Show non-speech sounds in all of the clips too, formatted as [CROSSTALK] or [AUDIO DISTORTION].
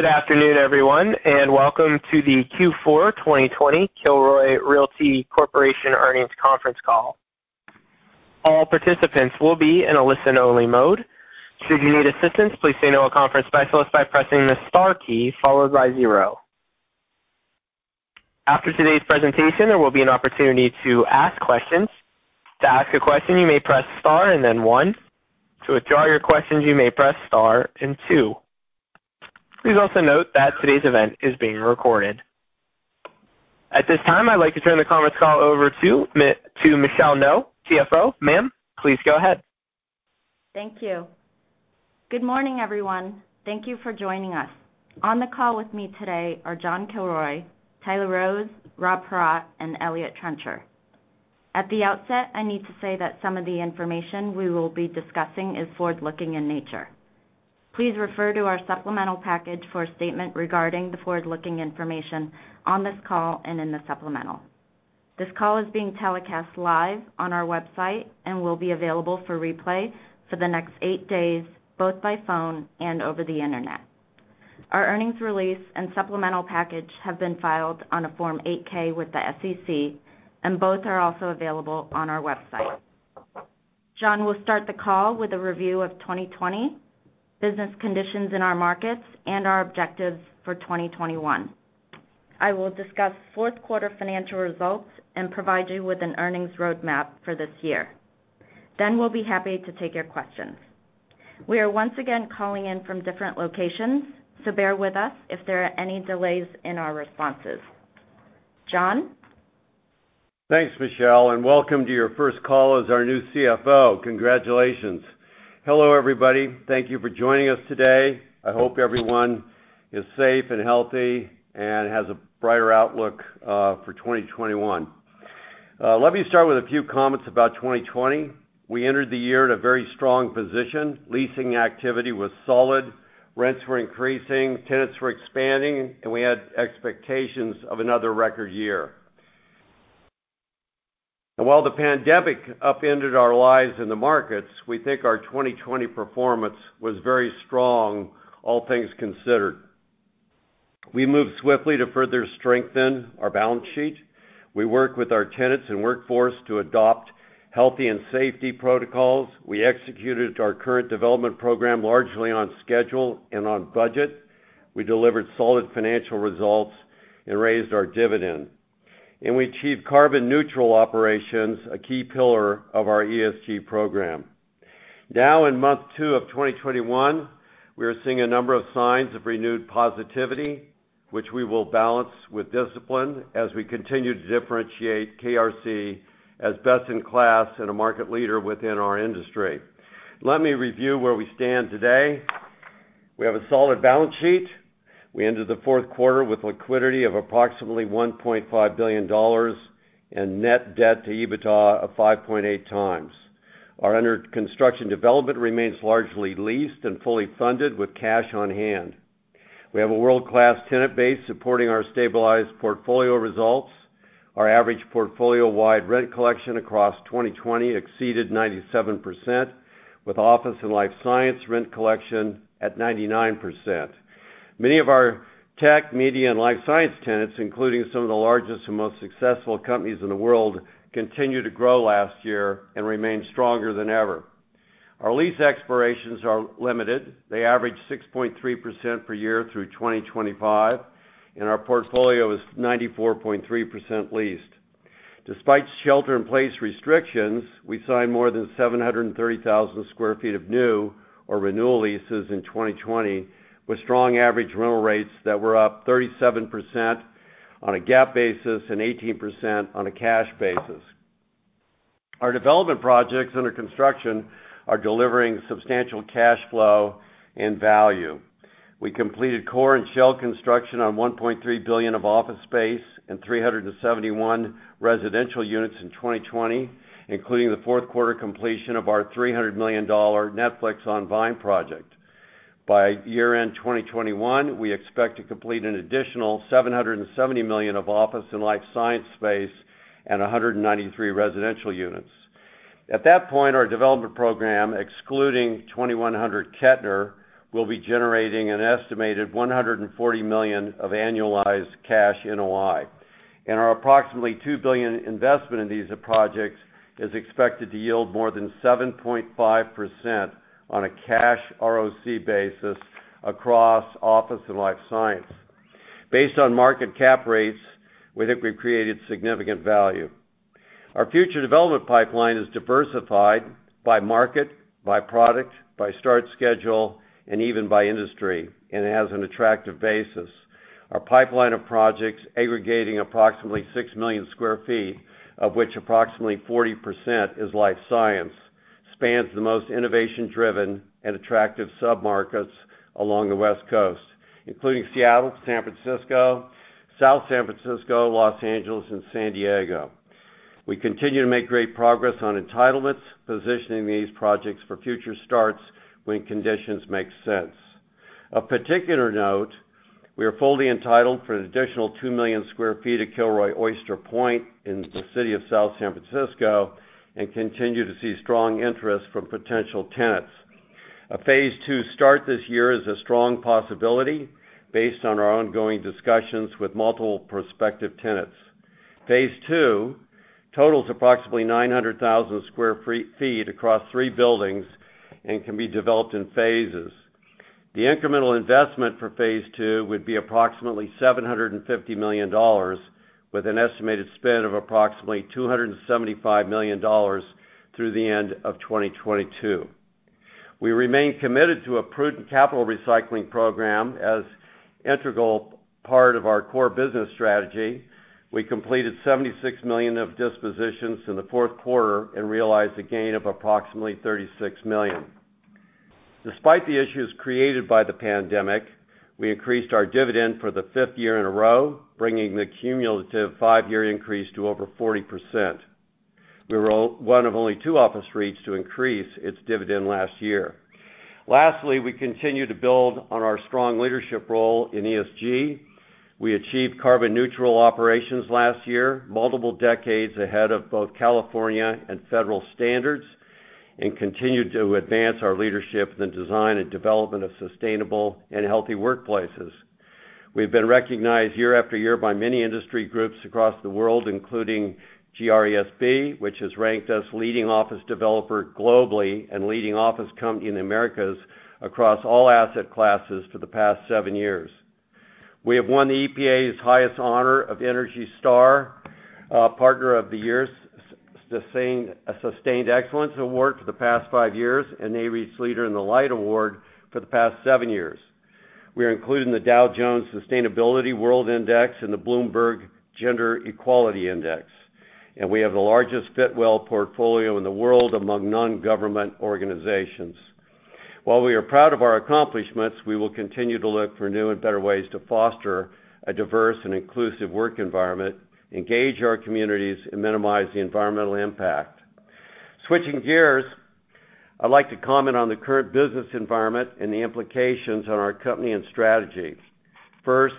Good afternoon, everyone. Welcome to the Q4 2020 Kilroy Realty Corporation earnings conference call. All participants will be in a listen-only mode. Should you need assistance, please stay on the line for a conference specialist by pressing the star key followed by zero. After today's presentation, there will be an opportunity to ask questions. To ask a question, you may press star and then one. To withdraw your questions, you may press star and two. Please also note that today's event is being recorded. At this time, I'd like to turn the conference call over to Michelle Ngo, CFO. Ma'am, please go ahead. Thank you. Good morning, everyone. Thank you for joining us. On the call with me today are John Kilroy, Tyler Rose, Rob Paratte, and Eliott Trencher. At the outset, I need to say that some of the information we will be discussing is forward-looking in nature. Please refer to our supplemental package for a statement regarding the forward-looking information on this call and in the supplemental. This call is being telecast live on our website and will be available for replay for the next eight days, both by phone and over the internet. Our earnings release and supplemental package have been filed on a Form 8-K with the SEC, and both are also available on our website. John will start the call with a review of 2020, business conditions in our markets, and our objectives for 2021. I will discuss fourth-quarter financial results and provide you with an earnings roadmap for this year. We'll be happy to take your questions. We are once again calling in from different locations, so bear with us if there are any delays in our responses. John? Thanks, Michelle, and welcome to your first call as our new CFO. Congratulations. Hello, everybody. Thank you for joining us today. I hope everyone is safe and healthy and has a brighter outlook for 2021. Let me start with a few comments about 2020. We entered the year in a very strong position. Leasing activity was solid, rents were increasing, tenants were expanding, and we had expectations of another record year. While the pandemic upended our lives in the markets, we think our 2020 performance was very strong, all things considered. We moved swiftly to further strengthen our balance sheet. We worked with our tenants and workforce to adopt healthy and safety protocols. We executed our current development program largely on schedule and on budget. We delivered solid financial results and raised our dividend. We achieved carbon-neutral operations, a key pillar of our ESG program. Now, in month two of 2021, we are seeing a number of signs of renewed positivity, which we will balance with discipline as we continue to differentiate KRC as best in class and a market leader within our industry. Let me review where we stand today. We have a solid balance sheet. We ended the fourth quarter with liquidity of approximately $1.5 billion and net debt to EBITDA of 5.8x. Our under-construction development remains largely leased and fully funded with cash on hand. We have a world-class tenant base supporting our stabilized portfolio results. Our average portfolio-wide rent collection across 2020 exceeded 97%, with office and life science rent collection at 99%. Many of our tech, media, and life science tenants, including some of the largest and most successful companies in the world, continued to grow last year and remain stronger than ever. Our lease expirations are limited. They average 6.3% per year through 2025, and our portfolio is 94.3% leased. Despite shelter-in-place restrictions, we signed more than 730,000 square feet of new or renewal leases in 2020, with strong average rental rates that were up 37% on a GAAP basis and 18% on a cash basis. Our development projects under construction are delivering substantial cash flow and value. We completed core and shell construction on $1.3 billion of office space and 371 residential units in 2020, including the fourth quarter completion of our $300 million Netflix // On Vine project. By year-end 2021, we expect to complete an additional $770 million of office and life science space and 193 residential units. At that point, our development program, excluding 2100 Kettner, will be generating an estimated $140 million of annualized cash NOI. Our approximately $2 billion investment in these projects is expected to yield more than 7.5% on a cash ROC basis across office and life science. Based on market cap rates, we think we've created significant value. Our future development pipeline is diversified by market, by product, by start schedule, and even by industry, and it has an attractive basis. Our pipeline of projects aggregating approximately 6 million sq ft, of which approximately 40% is life science, spans the most innovation-driven and attractive submarkets along the West Coast, including Seattle, San Francisco, South San Francisco, Los Angeles, and San Diego. We continue to make great progress on entitlements, positioning these projects for future starts when conditions make sense. Of particular note. We are fully entitled for an additional 2 million square feet of Kilroy Oyster Point in the City of South San Francisco, and continue to see strong interest from potential tenants. A phase II start this year is a strong possibility based on our ongoing discussions with multiple prospective tenants. Phase II totals approximately 900,000 sq ft across three buildings and can be developed in phases. The incremental investment for phase II would be approximately $750 million, with an estimated spend of approximately $275 million through the end of 2022. We remain committed to a prudent capital recycling program as integral part of our core business strategy. We completed $76 million of dispositions in the fourth quarter and realized a gain of approximately $36 million. Despite the issues created by the pandemic, we increased our dividend for the fifth year in a row, bringing the cumulative five-year increase to over 40%. We were one of only two office REITs to increase its dividend last year. Lastly, we continue to build on our strong leadership role in ESG. We achieved carbon neutral operations last year, multiple decades ahead of both California and federal standards, and continue to advance our leadership in the design and development of sustainable and healthy workplaces. We've been recognized year after year by many industry groups across the world, including GRESB, which has ranked us leading office developer globally and leading office company in the Americas across all asset classes for the past seven years. We have won the EPA's highest honor of ENERGY STAR Partner of the Year Sustained Excellence Award for the past five years, and Nareit's Leader in the Light award for the past seven years. We are included in the Dow Jones Sustainability World Index and the Bloomberg Gender-Equality Index, and we have the largest Fitwel portfolio in the world among non-government organizations. While we are proud of our accomplishments, we will continue to look for new and better ways to foster a diverse and inclusive work environment, engage our communities, and minimize the environmental impact. Switching gears, I'd like to comment on the current business environment and the implications on our company and strategy. First,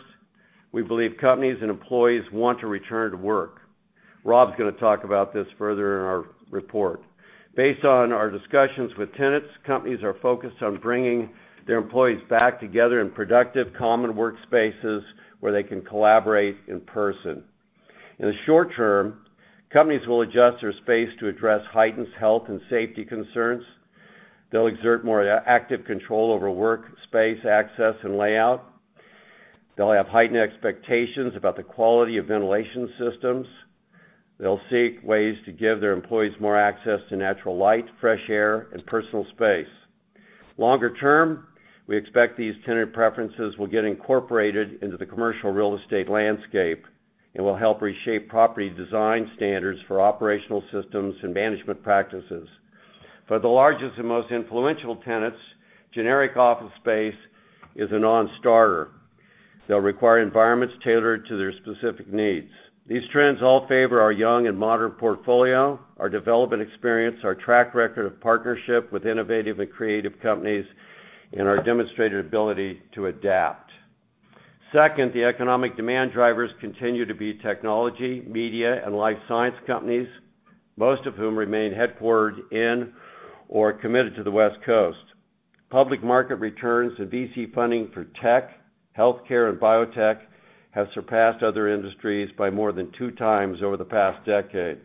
we believe companies and employees want to return to work. Rob's going to talk about this further in our report. Based on our discussions with tenants, companies are focused on bringing their employees back together in productive common workspaces where they can collaborate in person. In the short term, companies will adjust their space to address heightened health and safety concerns. They'll exert more active control over work space access and layout. They'll have heightened expectations about the quality of ventilation systems. They'll seek ways to give their employees more access to natural light, fresh air, and personal space. Longer term, we expect these tenant preferences will get incorporated into the commercial real estate landscape and will help reshape property design standards for operational systems and management practices. For the largest and most influential tenants, generic office space is a non-starter. They'll require environments tailored to their specific needs. These trends all favor our young and modern portfolio, our development experience, our track record of partnership with innovative and creative companies, and our demonstrated ability to adapt. Second, the economic demand drivers continue to be technology, media, and life science companies, most of whom remain headquartered in or committed to the West Coast. Public market returns and VC funding for tech, healthcare, and biotech have surpassed other industries by more than two times over the past decade.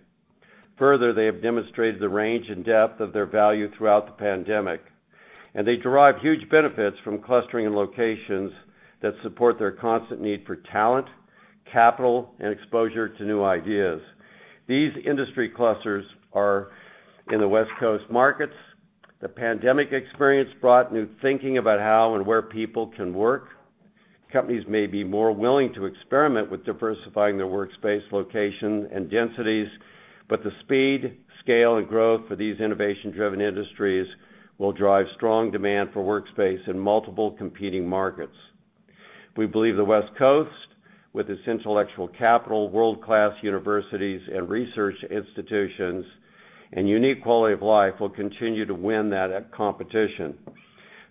Further, they have demonstrated the range and depth of their value throughout the pandemic, and they derive huge benefits from clustering in locations that support their constant need for talent, capital, and exposure to new ideas. These industry clusters are in the West Coast markets. The pandemic experience brought new thinking about how and where people can work. Companies may be more willing to experiment with diversifying their workspace location and densities, but the speed, scale, and growth for these innovation-driven industries will drive strong demand for workspace in multiple competing markets. We believe the West Coast, with its intellectual capital, world-class universities and research institutions, and unique quality of life, will continue to win that competition.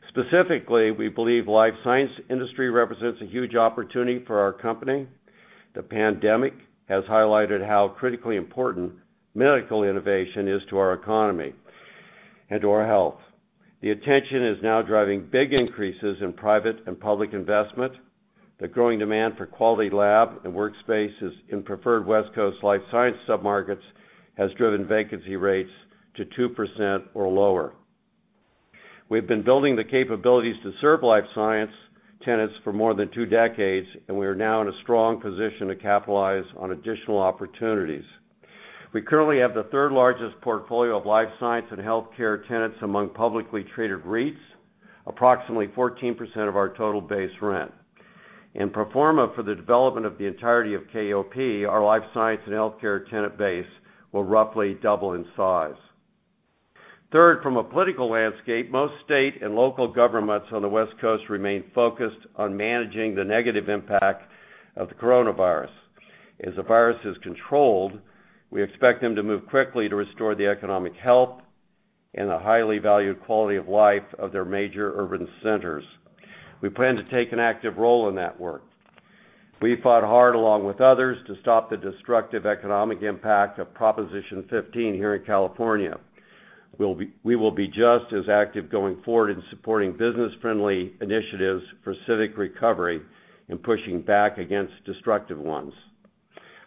Specifically, we believe life science industry represents a huge opportunity for our company. The pandemic has highlighted how critically important medical innovation is to our economy and to our health. The attention is now driving big increases in private and public investment. The growing demand for quality lab and workspace in preferred West Coast life science submarkets has driven vacancy rates to 2% or lower. We've been building the capabilities to serve life science tenants for more than two decades, and we are now in a strong position to capitalize on additional opportunities. We currently have the third largest portfolio of life science and healthcare tenants among publicly traded REITs, approximately 14% of our total base rent. In pro forma for the development of the entirety of KOP, our life science and healthcare tenant base will roughly double in size. Third, from a political landscape, most state and local governments on the West Coast remain focused on managing the negative impact of the coronavirus. As the virus is controlled, we expect them to move quickly to restore the economic health and the highly valued quality of life of their major urban centers. We plan to take an active role in that work. We fought hard along with others to stop the destructive economic impact of Proposition 15 here in California. We will be just as active going forward in supporting business-friendly initiatives for civic recovery and pushing back against destructive ones.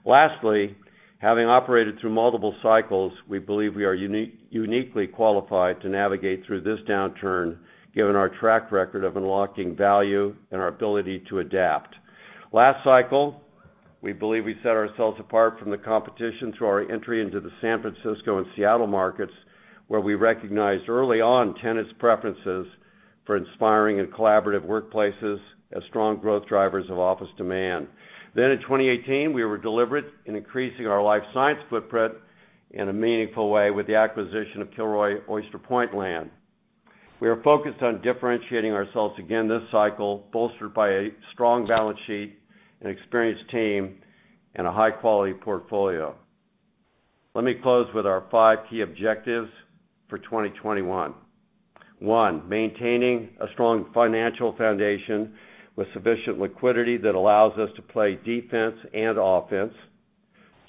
Lastly, having operated through multiple cycles, we believe we are uniquely qualified to navigate through this downturn, given our track record of unlocking value and our ability to adapt. Last cycle, we believe we set ourselves apart from the competition through our entry into the San Francisco and Seattle markets, where we recognized early on tenants' preferences for inspiring and collaborative workplaces as strong growth drivers of office demand. In 2018, we were deliberate in increasing our life science footprint in a meaningful way with the acquisition of Kilroy Oyster Point land. We are focused on differentiating ourselves again this cycle, bolstered by a strong balance sheet, an experienced team, and a high-quality portfolio. Let me close with our five key objectives for 2021. One, maintaining a strong financial foundation with sufficient liquidity that allows us to play defense and offense.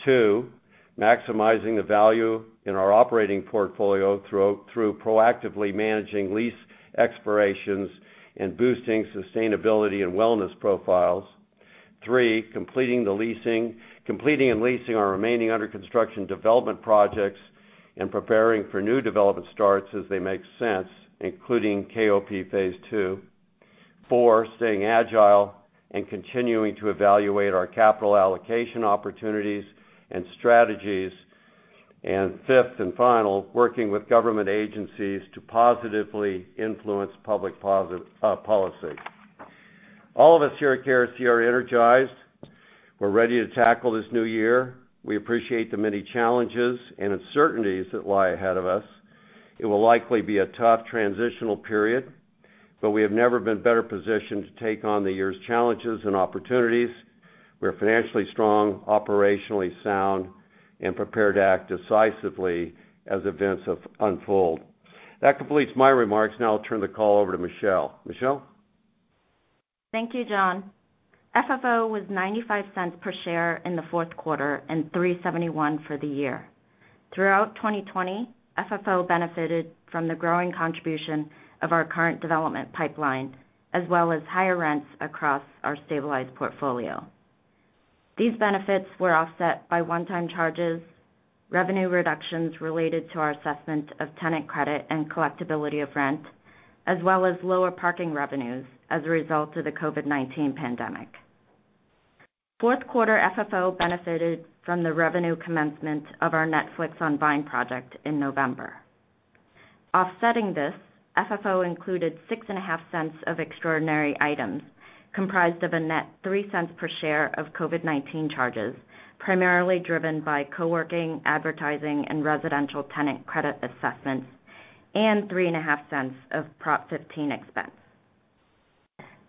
Two, maximizing the value in our operating portfolio through proactively managing lease expirations and boosting sustainability and wellness profiles. Three, completing and leasing our remaining under-construction development projects and preparing for new development starts as they make sense, including KOP Phase II. Four, staying agile and continuing to evaluate our capital allocation opportunities and strategies. Fifth and final, working with government agencies to positively influence public policy. All of us here at KRC are energized. We're ready to tackle this new year. We appreciate the many challenges and uncertainties that lie ahead of us. It will likely be a tough transitional period, but we have never been better positioned to take on the year's challenges and opportunities. We are financially strong, operationally sound, and prepared to act decisively as events unfold. That completes my remarks. I'll turn the call over to Michelle. Michelle? Thank you, John. FFO was $0.95 per share in the fourth quarter and $3.71 for the year. Throughout 2020, FFO benefited from the growing contribution of our current development pipeline, as well as higher rents across our stabilized portfolio. These benefits were offset by one-time charges, revenue reductions related to our assessment of tenant credit and collectibility of rent, as well as lower parking revenues as a result of the COVID-19 pandemic. Fourth quarter FFO benefited from the revenue commencement of our Netflix // On Vine project in November. Offsetting this, FFO included $0.065 of extraordinary items, comprised of a net $0.03 per share of COVID-19 charges, primarily driven by co-working, advertising, and residential tenant credit assessments, and $0.035 of Prop 15 expense.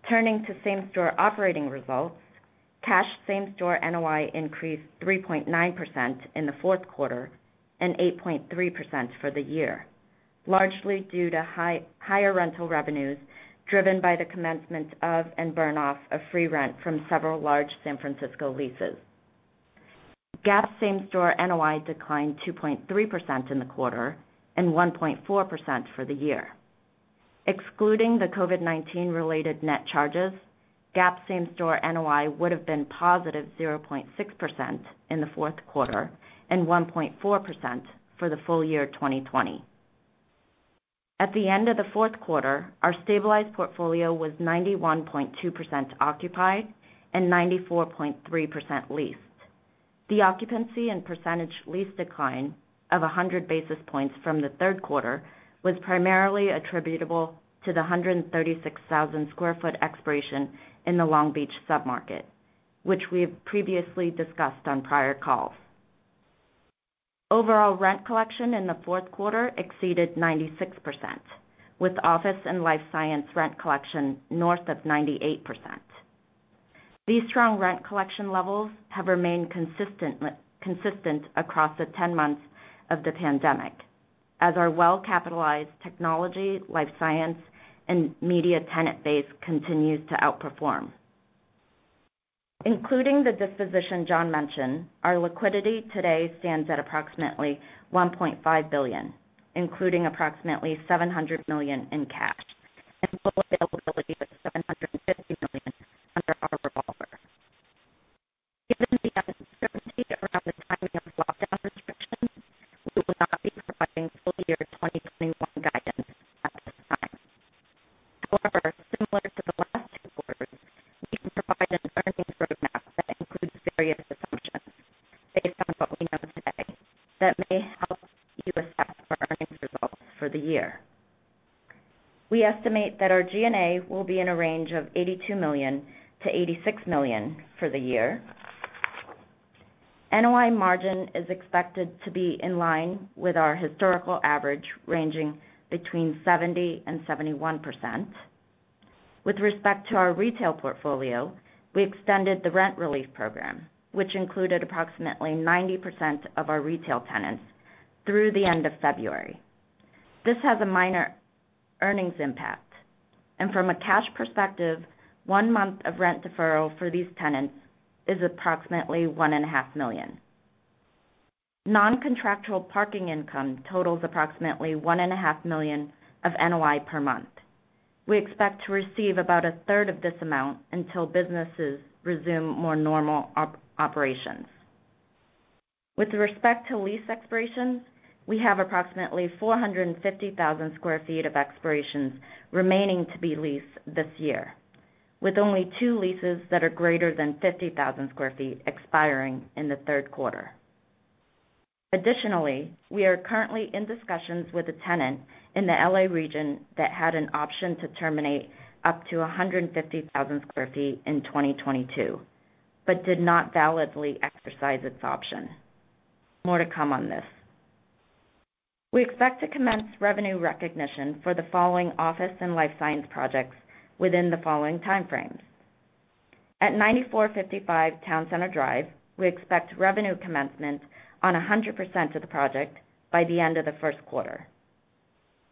Turning to same-store operating results, cash same-store NOI increased 3.9% in the fourth quarter and 8.3% for the year, largely due to higher rental revenues driven by the commencement of and burn-off of free rent from several large San Francisco leases. GAAP same-store NOI declined 2.3% in the quarter and 1.4% for the year. Excluding the COVID-19 related net charges, GAAP same-store NOI would have been positive 0.6% in the fourth quarter and 1.4% for the full year 2021. At the end of the fourth quarter, our stabilized portfolio was 91.2% occupied and 94.3% leased. The occupancy and percentage lease decline of 100 basis points from the third quarter was primarily attributable to the 136,000 sq ft expiration in the Long Beach sub-market, which we have previously discussed on prior calls. Overall rent collection in the fourth quarter exceeded 96%, with office and life science rent collection north of 98%. These strong rent collection levels have remained consistent across the 10 months of the pandemic, as our well-capitalized technology, life science, and media tenant base continues to outperform. Including the disposition John mentioned, our liquidity today stands at approximately $1.5 billion, including approximately $700 million in cash and full availability of $750 million under our revolver. Given the uncertainty around the timing of lockdown restrictions, we will not be providing full year 2021 guidance at this time. Similar to the last quarter, we can provide an earnings roadmap that includes various assumptions based on what we know today that may help you assess our earnings results for the year. We estimate that our G&A will be in a range of $82 million-$86 million for the year. NOI margin is expected to be in line with our historical average, ranging between 70% and 71%. With respect to our retail portfolio, we extended the rent relief program, which included approximately 90% of our retail tenants, through the end of February. This has a minor earnings impact, and from a cash perspective, one month of rent deferral for these tenants is approximately $1.5 million. Non-contractual parking income totals approximately $1.5 million of NOI per month. We expect to receive about a third of this amount until businesses resume more normal operations. With respect to lease expirations, we have approximately 450,000 sq ft of expirations remaining to be leased this year, with only two leases that are greater than 50,000 sq ft expiring in the third quarter. Additionally, we are currently in discussions with a tenant in the L.A. region that had an option to terminate up to 150,000 sq ft in 2022, but did not validly exercise its option. More to come on this. We expect to commence revenue recognition for the following office and life science projects within the following time frames. At 9455 Towne Centre Drive, we expect revenue commencement on 100% of the project by the end of the first quarter.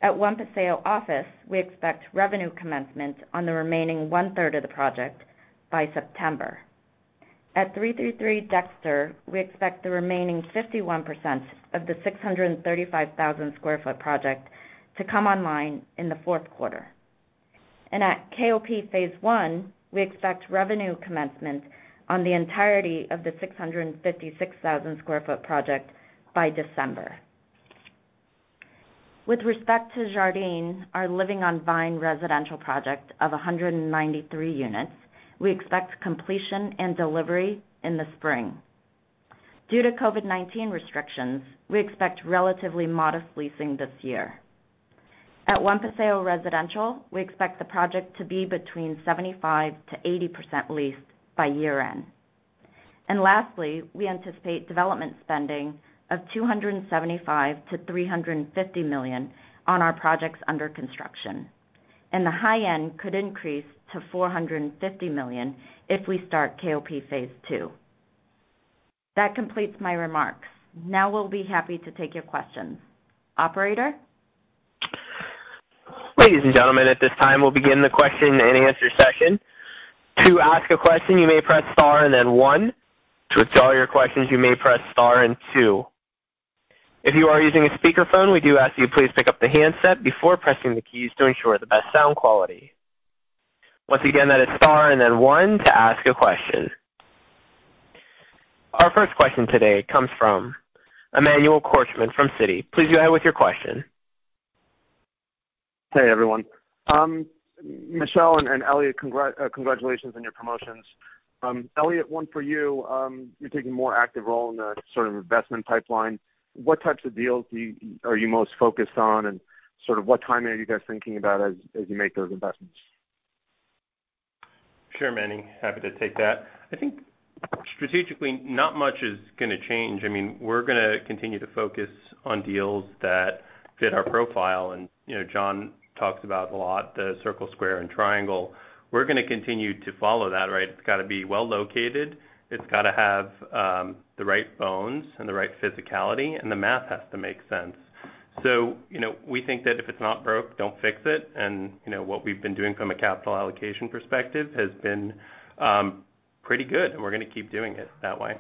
At One Paseo Office, we expect revenue commencement on the remaining 1/3 of the project by September. At 333 Dexter, we expect the remaining 51% of the 635,000 sq ft project to come online in the fourth quarter. At KOP Phase One, we expect revenue commencement on the entirety of the 656,000 sq ft project by December. With respect to Jardine, our Living on Vine residential project of 193 units, we expect completion and delivery in the spring. Due to COVID-19 restrictions, we expect relatively modest leasing this year. At One Paseo Residential, we expect the project to be between 75%-80% leased by year end. Lastly, we anticipate development spending of $275 million-$350 million on our projects under construction, and the high end could increase to $450 million if we start KOP Phase II. That completes my remarks. Now we'll be happy to take your questions. Operator? Ladies and gentlemen, at this time, we'll begin the question-and-answer session. To ask a question you may press star then one. To withdraw your question you may press star then two. If you are using a speaker phone we do ask you to please pickup the handset before pressing the keys to ensure best sound quality. Once again, it is star and then one to ask a question. Our first question today comes from Emmanuel Korchman from Citi. Please go ahead with your question. Hey, everyone. Michelle and Eliott, congratulations on your promotions. Eliott, one for you. You're taking a more active role in the investment pipeline. What types of deals are you most focused on, and what timing are you guys thinking about as you make those investments? Sure, Manny, happy to take that. I think strategically, not much is going to change. We're going to continue to focus on deals that fit our profile. John talks about a lot the circle, square, and triangle. We're going to continue to follow that. It's got to be well located. It's got to have the right bones and the right physicality, and the math has to make sense. We think that if it's not broke, don't fix it. What we've been doing from a capital allocation perspective has been pretty good, and we're going to keep doing it that way.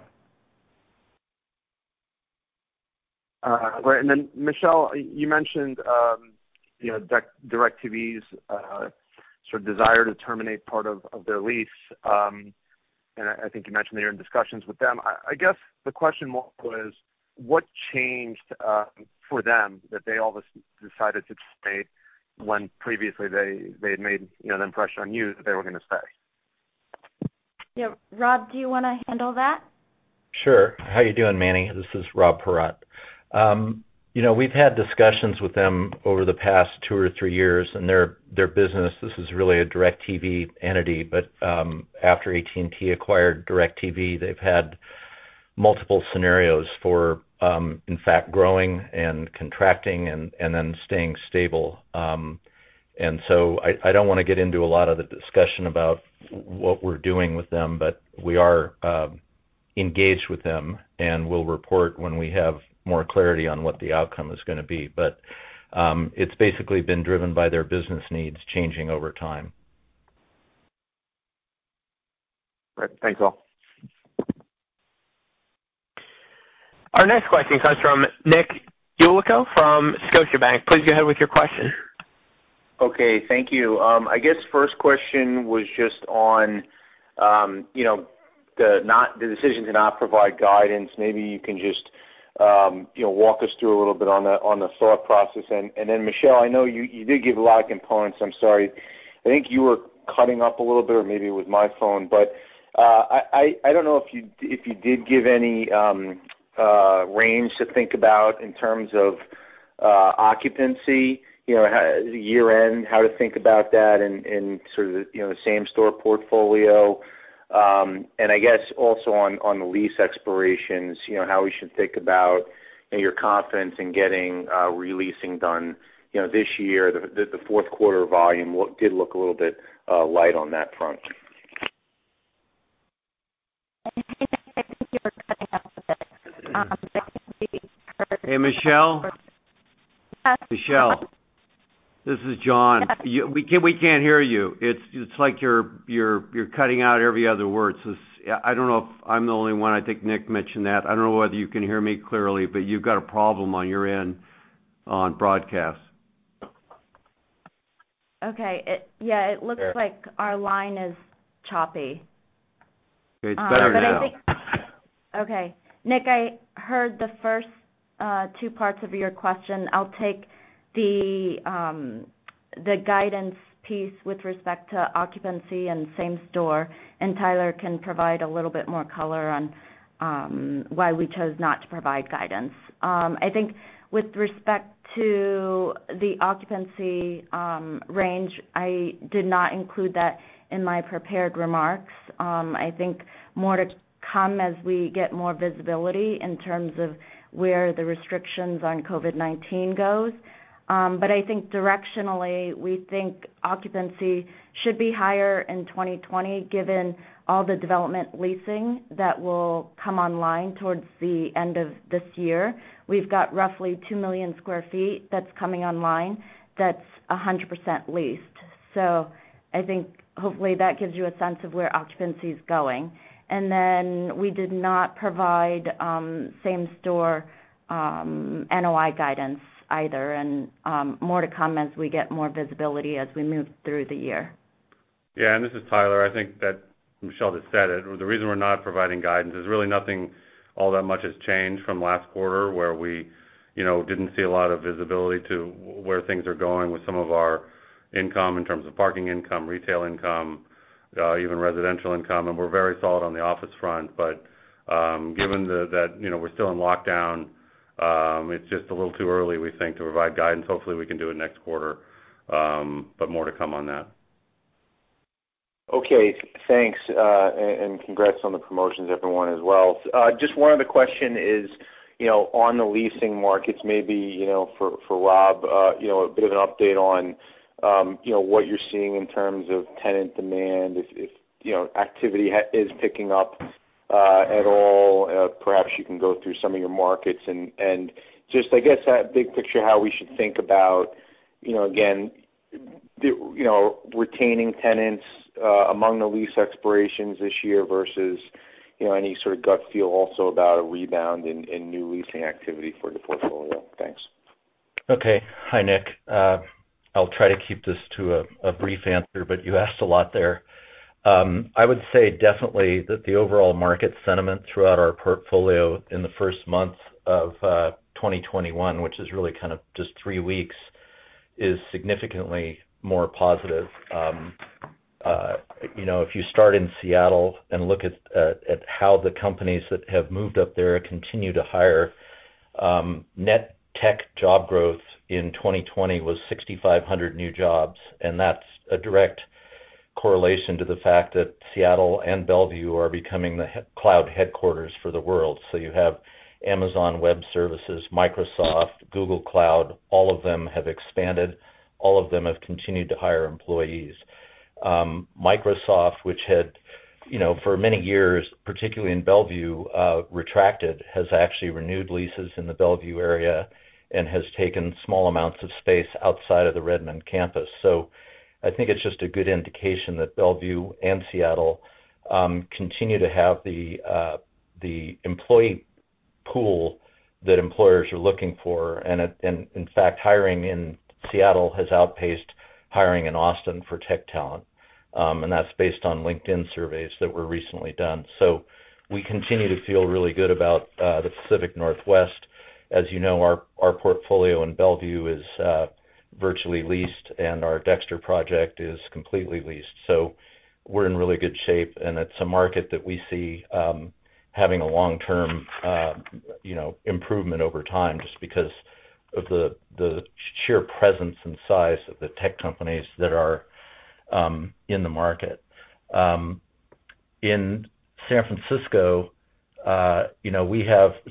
All right. Michelle, you mentioned DIRECTV's desire to terminate part of their lease. I think you mentioned that you're in discussions with them. I guess the question was what changed for them that they all of a sudden decided to stay when previously they had made the impression on you that they were going to stay? Yeah. Rob, do you want to handle that? Sure. How you doing, Manny? This is Rob Paratte. We've had discussions with them over the past two or three years. Their business, this is really a DIRECTV entity, after AT&T acquired DIRECTV, they've had multiple scenarios for, in fact, growing and contracting and then staying stable. I don't want to get into a lot of the discussion about what we're doing with them, but we are engaged with them, and we'll report when we have more clarity on what the outcome is going to be. It's basically been driven by their business needs changing over time. Right. Thanks, all. Our next question comes from Nick Yulico from Scotiabank. Please go ahead with your question. Okay. Thank you. I guess first question was just on the decision to not provide guidance. Maybe you can just walk us through a little bit on the thought process. Michelle, I know you did give a lot of components. I'm sorry. I think you were cutting out a little bit, or maybe it was my phone, but I don't know if you did give any range to think about in terms of occupancy, year-end, how to think about that in the same-store portfolio. I guess also on the lease expirations, how we should think about your confidence in getting re-leasing done this year. The fourth quarter volume did look a little bit light on that front. [AUDIO DISTORTION] Hey, Michelle? Michelle, this is John. We can't hear you. It's like you're cutting out every other word. I don't know if I'm the only one. I think Nick mentioned that. I don't know whether you can hear me clearly, you've got a problem on your end on broadcast. Okay. Yeah. It looks like our line is choppy. It's better now. Okay. Nick, I heard the first two parts of your question. I'll take the guidance piece with respect to occupancy and same store, Tyler can provide a little bit more color on why we chose not to provide guidance. I think with respect to the occupancy range, I did not include that in my prepared remarks. I think more to come as we get more visibility in terms of where the restrictions on COVID-19 goes. I think directionally, we think occupancy should be higher in 2020 given all the development leasing that will come online towards the end of this year. We've got roughly 2 million square feet that's coming online that's 100% leased. I think hopefully that gives you a sense of where occupancy is going. We did not provide same store NOI guidance either. More to come as we get more visibility as we move through the year. Yeah, this is Tyler. I think that Michelle just said it. The reason we're not providing guidance is really nothing all that much has changed from last quarter where we didn't see a lot of visibility to where things are going with some of our income in terms of parking income, retail income, even residential income. We're very solid on the office front. Given that we're still in lockdown, it's just a little too early, we think, to provide guidance. Hopefully, we can do it next quarter. More to come on that. Okay, thanks. Congrats on the promotions, everyone as well. Just one other question is on the leasing markets, maybe for Rob, a bit of an update on what you're seeing in terms of tenant demand, if activity is picking up at all. Perhaps you can go through some of your markets and just, I guess, big picture, how we should think about, again, retaining tenants among the lease expirations this year versus any sort of gut feel also about a rebound in new leasing activity for the portfolio. Thanks. Okay. Hi, Nick. I'll try to keep this to a brief answer, you asked a lot there. I would say definitely that the overall market sentiment throughout our portfolio in the first months of 2021, which is really kind of just three weeks, is significantly more positive. If you start in Seattle and look at how the companies that have moved up there continue to hire. Net tech job growth in 2020 was 6,500 new jobs, that's a direct correlation to the fact that Seattle and Bellevue are becoming the cloud headquarters for the world. You have Amazon Web Services, Microsoft, Google Cloud. All of them have expanded. All of them have continued to hire employees. Microsoft, which had for many years, particularly in Bellevue, retracted, has actually renewed leases in the Bellevue area and has taken small amounts of space outside of the Redmond campus. I think it's just a good indication that Bellevue and Seattle continue to have the employee pool that employers are looking for. In fact, hiring in Seattle has outpaced hiring in Austin for tech talent. That's based on LinkedIn surveys that were recently done. We continue to feel really good about the Pacific Northwest. As you know, our portfolio in Bellevue is virtually leased, and our Dexter project is completely leased. We're in really good shape, and it's a market that we see having a long-term improvement over time just because of the sheer presence and size of the tech companies that are in the market. In San Francisco,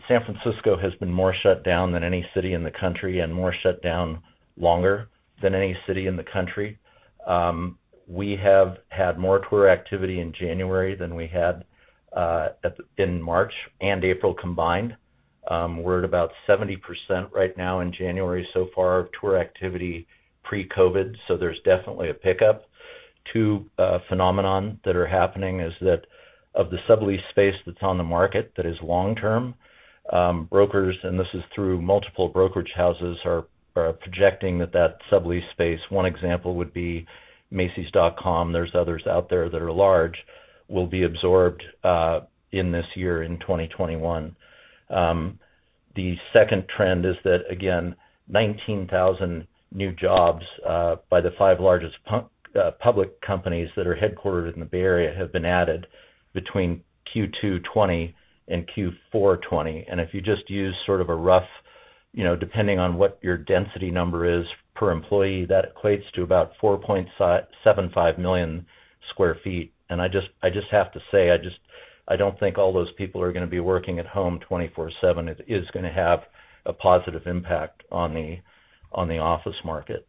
San Francisco has been more shut down than any city in the country, and more shut down longer than any city in the country. We have had more tour activity in January than we had in March and April combined. We're at about 70% right now in January so far of tour activity pre-COVID. There's definitely a pickup. Two phenomenon that are happening is that of the sublease space that's on the market that is long-term. Brokers, and this is through multiple brokerage houses, are projecting that that sublease space, one example would be macys.com, there's others out there that are large, will be absorbed in this year, in 2021. The second trend is that, again, 19,000 new jobs by the five largest public companies that are headquartered in the Bay Area have been added between Q2 2020 and Q4 2020. If you just use sort of a rough depending on what your density number is per employee, that equates to about 4.75 million square feet. I just have to say, I don't think all those people are going to be working at home 24/7. It is going to have a positive impact on the office market.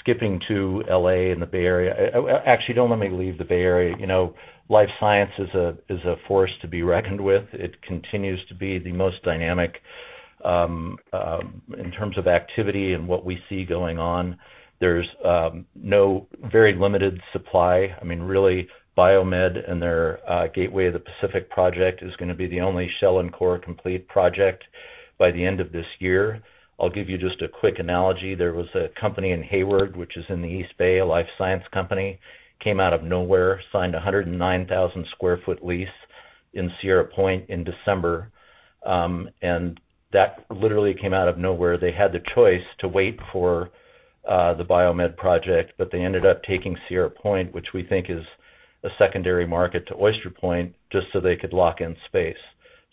Skipping to L.A. and the Bay Area. Actually, don't let me leave the Bay Area. Life science is a force to be reckoned with. It continues to be the most dynamic in terms of activity and what we see going on. There's very limited supply. Really, BioMed and their Gateway of Pacific project is going to be the only shell and core complete project by the end of this year. I'll give you just a quick analogy. There was a company in Hayward, which is in the East Bay, a life science company, came out of nowhere, signed 109,000 sq ft lease in Sierra Point in December. That literally came out of nowhere. They had the choice to wait for the BioMed project, they ended up taking Sierra Point, which we think is a secondary market to Oyster Point, just so they could lock in space.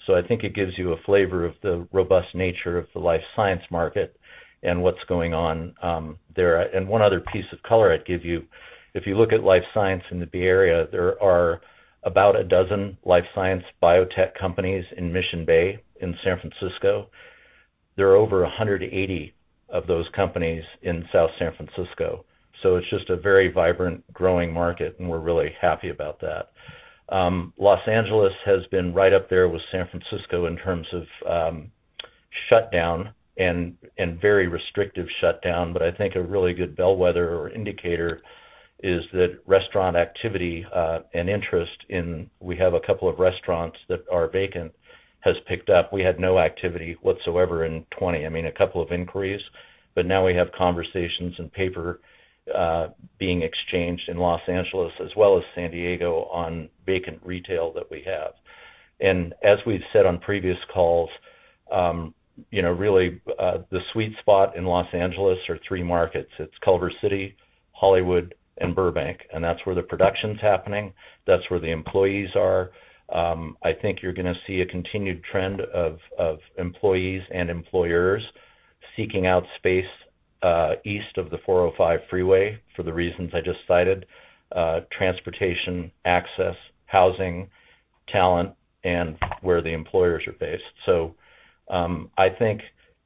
I think it gives you a flavor of the robust nature of the life science market and what's going on there. One other piece of color I'd give you, if you look at life science in the Bay Area, there are about 12 life science biotech companies in Mission Bay in San Francisco. There are over 180 of those companies in South San Francisco. It's just a very vibrant, growing market, and we're really happy about that. Los Angeles has been right up there with San Francisco in terms of shutdown and very restrictive shutdown. I think a really good bellwether or indicator is that restaurant activity and interest in, we have a couple of restaurants that are vacant, has picked up. We had no activity whatsoever in 2020. A couple of inquiries, but now we have conversations and paper being exchanged in Los Angeles as well as San Diego on vacant retail that we have. As we've said on previous calls, really, the sweet spot in Los Angeles are three markets. It's Culver City, Hollywood, and Burbank, and that's where the production's happening. That's where the employees are. I think you're going to see a continued trend of employees and employers seeking out space east of the 405 Freeway for the reasons I just cited. Transportation, access, housing, talent, and where the employers are based. I think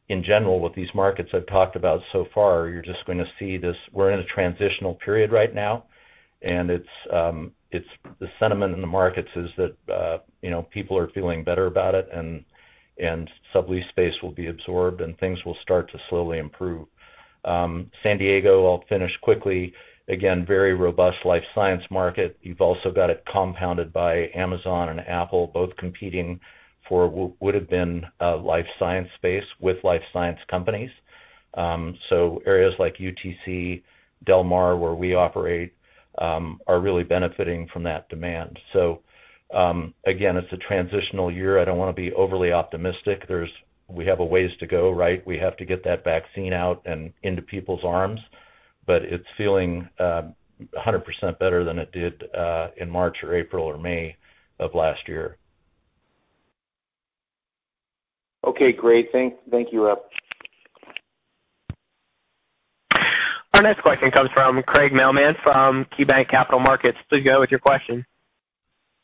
in general, with these markets I've talked about so far, you're just going to see this, we're in a transitional period right now, and the sentiment in the markets is that people are feeling better about it and sub-lease space will be absorbed, and things will start to slowly improve. San Diego, I'll finish quickly. Very robust life science market. You've also got it compounded by Amazon and Apple both competing for what would have been a life science space with life science companies. Areas like UTC, Del Mar, where we operate, are really benefiting from that demand. Again, it's a transitional year. I don't want to be overly optimistic. We have a ways to go. We have to get that vaccine out and into people's arms. It's feeling 100% better than it did in March or April or May of last year. Okay, great. Thank you, Rob. Our next question comes from Craig Mailman from KeyBanc Capital Markets. Please go with your question.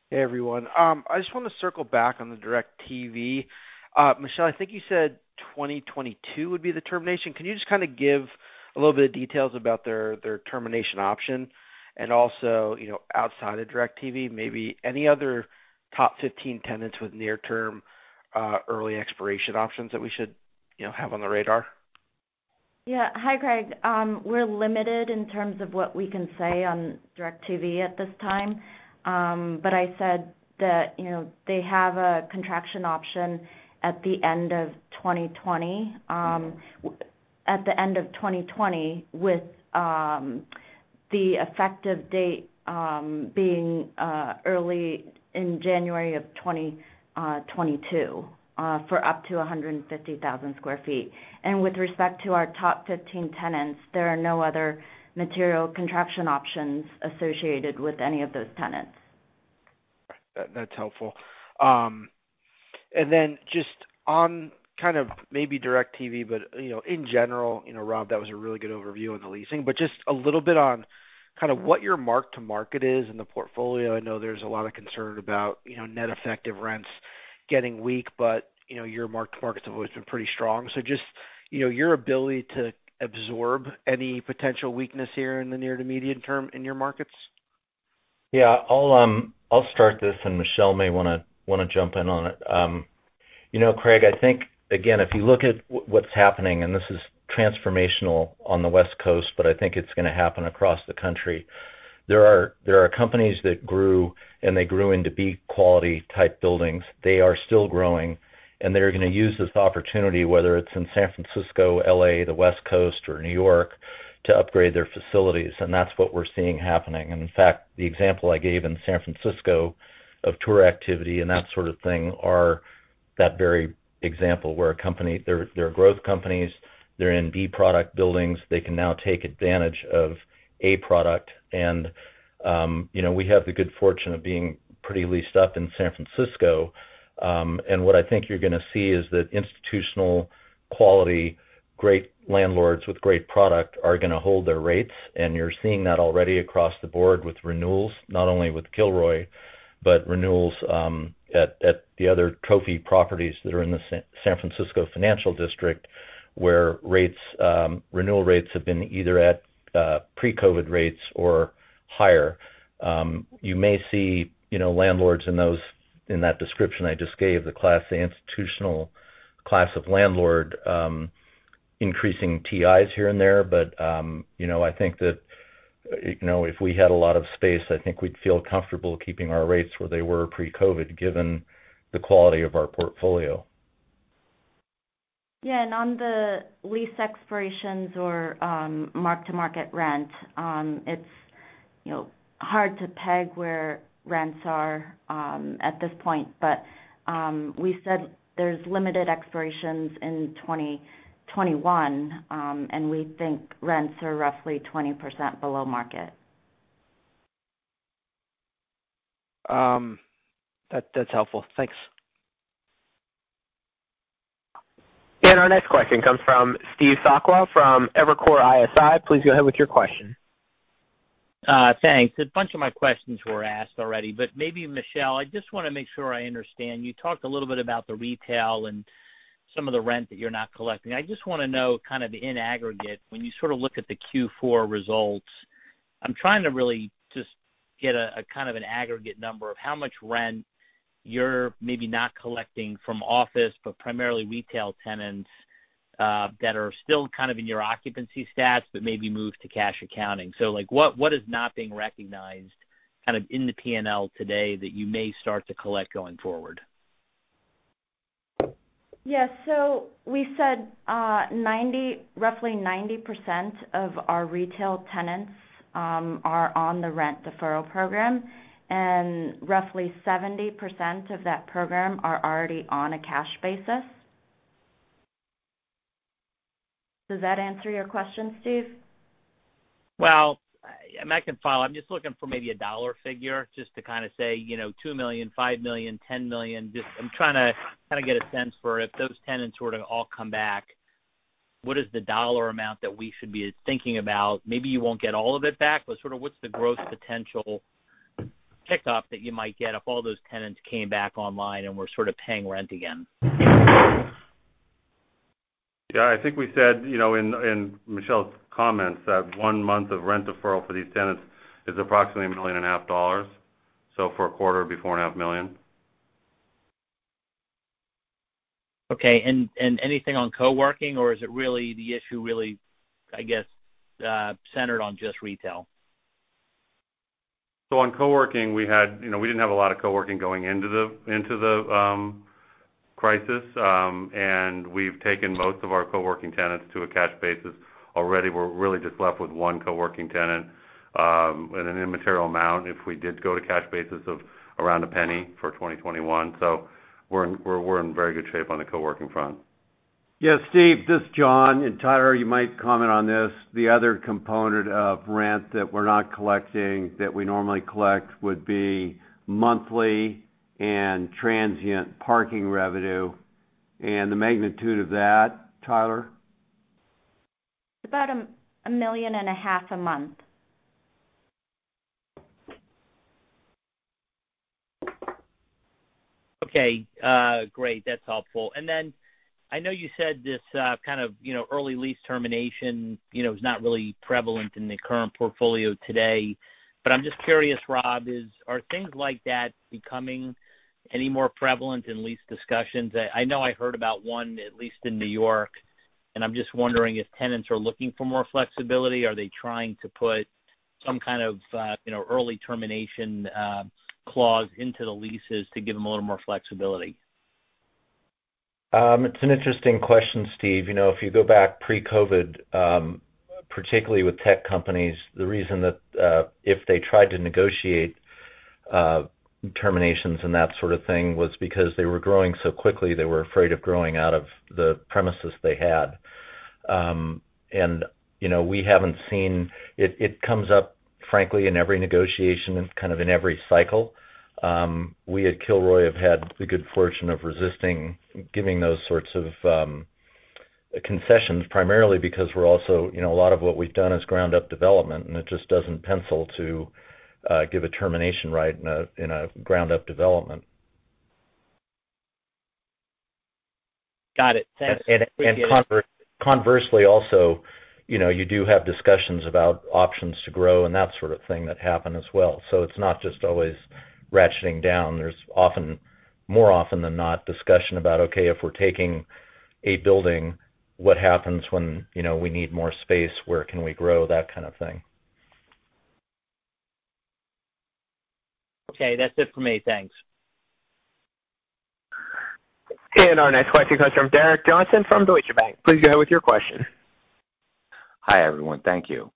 Hey, everyone. I just want to circle back on the DIRECTV. Michelle, I think you said 2022 would be the termination. Can you just kind of give a little bit of details about their termination option? Also, outside of DIRECTV, maybe any other top 15 tenants with near-term early expiration options that we should have on the radar? Yeah. Hi, Craig. We're limited in terms of what we can say on DIRECTV at this time. I said that they have a contraction option at the end of 2020 with the effective date being early in January of 2022, for up to 150,000 sq ft. With respect to our top 15 tenants, there are no other material contraction options associated with any of those tenants. That's helpful. Just on kind of maybe DIRECTV, but in general, Rob, that was a really good overview on the leasing, but just a little bit on kind of what your mark to market is in the portfolio. I know there's a lot of concern about net effective rents getting weak, but your mark to markets have always been pretty strong. Just your ability to absorb any potential weakness here in the near to medium term in your markets? Yeah. I'll start this, and Michelle may want to jump in on it. Craig, I think, again, if you look at what's happening, this is transformational on the West Coast, but I think it's going to happen across the country. There are companies that grew, and they grew into B-quality type buildings. They are still growing, and they're going to use this opportunity, whether it's in San Francisco, L.A., the West Coast, or New York, to upgrade their facilities, and that's what we're seeing happening. In fact, the example I gave in San Francisco of tour activity and that sort of thing, that very example where a company, they're growth companies, they're in B-product buildings. They can now take advantage of A-product. We have the good fortune of being pretty leased up in San Francisco. What I think you're going to see is that institutional quality, great landlords with great product are going to hold their rates, and you're seeing that already across the board with renewals, not only with Kilroy, but renewals at the other trophy properties that are in the San Francisco Financial District, where renewal rates have been either at pre-COVID rates or higher. You may see landlords in that description I just gave, the class institutional, class of landlord increasing TIs here and there. I think that if we had a lot of space, I think we'd feel comfortable keeping our rates where they were pre-COVID, given the quality of our portfolio. Yeah. On the lease expirations or mark-to-market rent, it's hard to peg where rents are at this point. We said there's limited expirations in 2021, and we think rents are roughly 20% below market. That's helpful. Thanks. Our next question comes from Steve Sakwa from Evercore ISI. Please go ahead with your question. Thanks. A bunch of my questions were asked already, but maybe Michelle, I just want to make sure I understand. You talked a little bit about the retail and some of the rent that you're not collecting. I just want to know kind of in aggregate, when you sort of look at the Q4 results, I'm trying to really just get a kind of an aggregate number of how much rent you're maybe not collecting from office, but primarily retail tenants that are still kind of in your occupancy stats, but maybe moved to cash accounting. What is not being recognized kind of in the P&L today that you may start to collect going forward? Yeah. We said roughly 90% of our retail tenants are on the rent deferral program, and roughly 70% of that program are already on a cash basis. Does that answer your question, Steve? Well, I can follow up. I'm just looking for maybe a dollar figure just to kind of say $2 million, $5 million, $10 million. I'm trying to kind of get a sense for if those tenants were to all come back, what is the dollar amount that we should be thinking about? Maybe you won't get all of it back, but sort of what's the gross potential pick-up that you might get if all those tenants came back online and were sort of paying rent again? Yeah. I think we said in Michelle's comments that one month of rent deferral for these tenants is approximately a $1.5 million. For a quarter, it'd be $4.5 million. Okay. Anything on co-working or is it really the issue really, I guess, centered on just retail? On co-working, we didn't have a lot of co-working going into the crisis. We've taken most of our co-working tenants to a cash basis already. We're really just left with one co-working tenant and an immaterial amount if we did go to cash basis of around $0.01 for 2021. We're in very good shape on the co-working front. Yeah, Steve, this is John, and Tyler, you might comment on this. The other component of rent that we're not collecting that we normally collect would be monthly and transient parking revenue. The magnitude of that, Tyler? It's about $1.5 million a month. Okay. Great. That's helpful. I know you said this kind of early lease termination is not really prevalent in the current portfolio today. I'm just curious, Rob, are things like that becoming any more prevalent in lease discussions? I know I heard about one at least in N.Y., and I'm just wondering if tenants are looking for more flexibility. Are they trying to put some kind of early termination clause into the leases to give them a little more flexibility? It's an interesting question, Steve. If you go back pre-COVID, particularly with tech companies, the reason that if they tried to negotiate terminations and that sort of thing was because they were growing so quickly, they were afraid of growing out of the premises they had. We haven't seen-- It comes up, frankly, in every negotiation and kind of in every cycle. We at Kilroy have had the good fortune of resisting giving those sorts of concessions primarily because we're also-- A lot of what we've done is ground-up development, and it just doesn't pencil to give a termination right in a ground-up development. Got it. Thanks. Appreciate it. Conversely also, you do have discussions about options to grow and that sort of thing that happen as well. It's not just always ratcheting down. There's more often than not discussion about, okay, if we're taking a building, what happens when we need more space? Where can we grow? That kind of thing. Okay, that's it for me. Thanks. Our next question comes from Derek Johnston from Deutsche Bank. Please go ahead with your question. Hi, everyone. Thank you.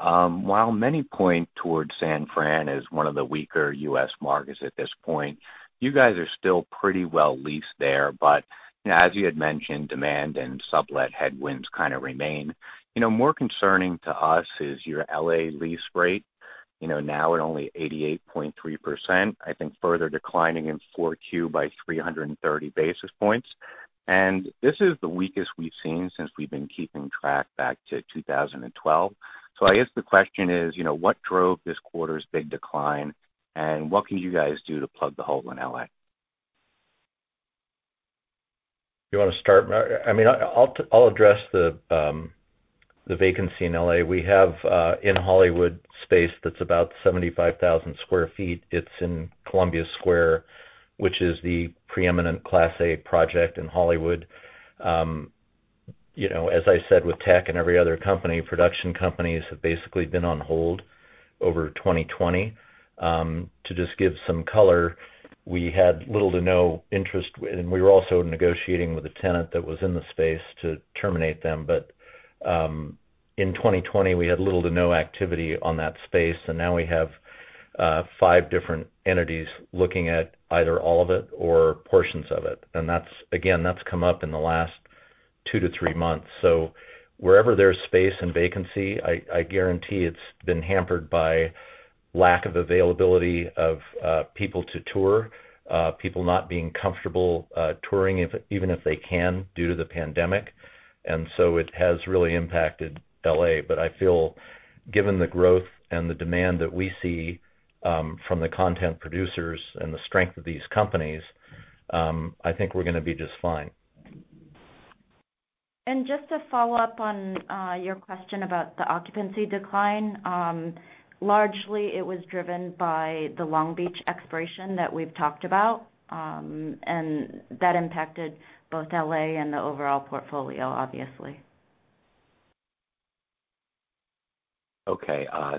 While many point towards San Fran as one of the weaker U.S. markets at this point, you guys are still pretty well leased there. As you had mentioned, demand and sublet headwinds kind of remain. More concerning to us is your L.A. lease rate. Now at only 88.3%, I think further declining in 4Q by 330 basis points. This is the weakest we've seen since we've been keeping track back to 2012. I guess the question is, what drove this quarter's big decline, and what can you guys do to plug the hole in L.A.? You want to start? I'll address the vacancy in L.A. We have, in Hollywood, space that's about 75,000 sq ft. It's in Columbia Square, which is the preeminent Class A project in Hollywood. As I said, with tech and every other company, production companies have basically been on hold over 2020. To just give some color, we had little to no interest, and we were also negotiating with a tenant that was in the space to terminate them. In 2020, we had little to no activity on that space, and now we have five different entities looking at either all of it or portions of it. Again, that's come up in the last two to three months. Wherever there's space and vacancy, I guarantee it's been hampered by lack of availability of people to tour, people not being comfortable touring even if they can, due to the pandemic. It has really impacted L.A. I feel given the growth and the demand that we see from the content producers and the strength of these companies, I think we're going to be just fine. Just to follow up on your question about the occupancy decline. Largely, it was driven by the Long Beach expiration that we've talked about, and that impacted both L.A. and the overall portfolio, obviously. Okay.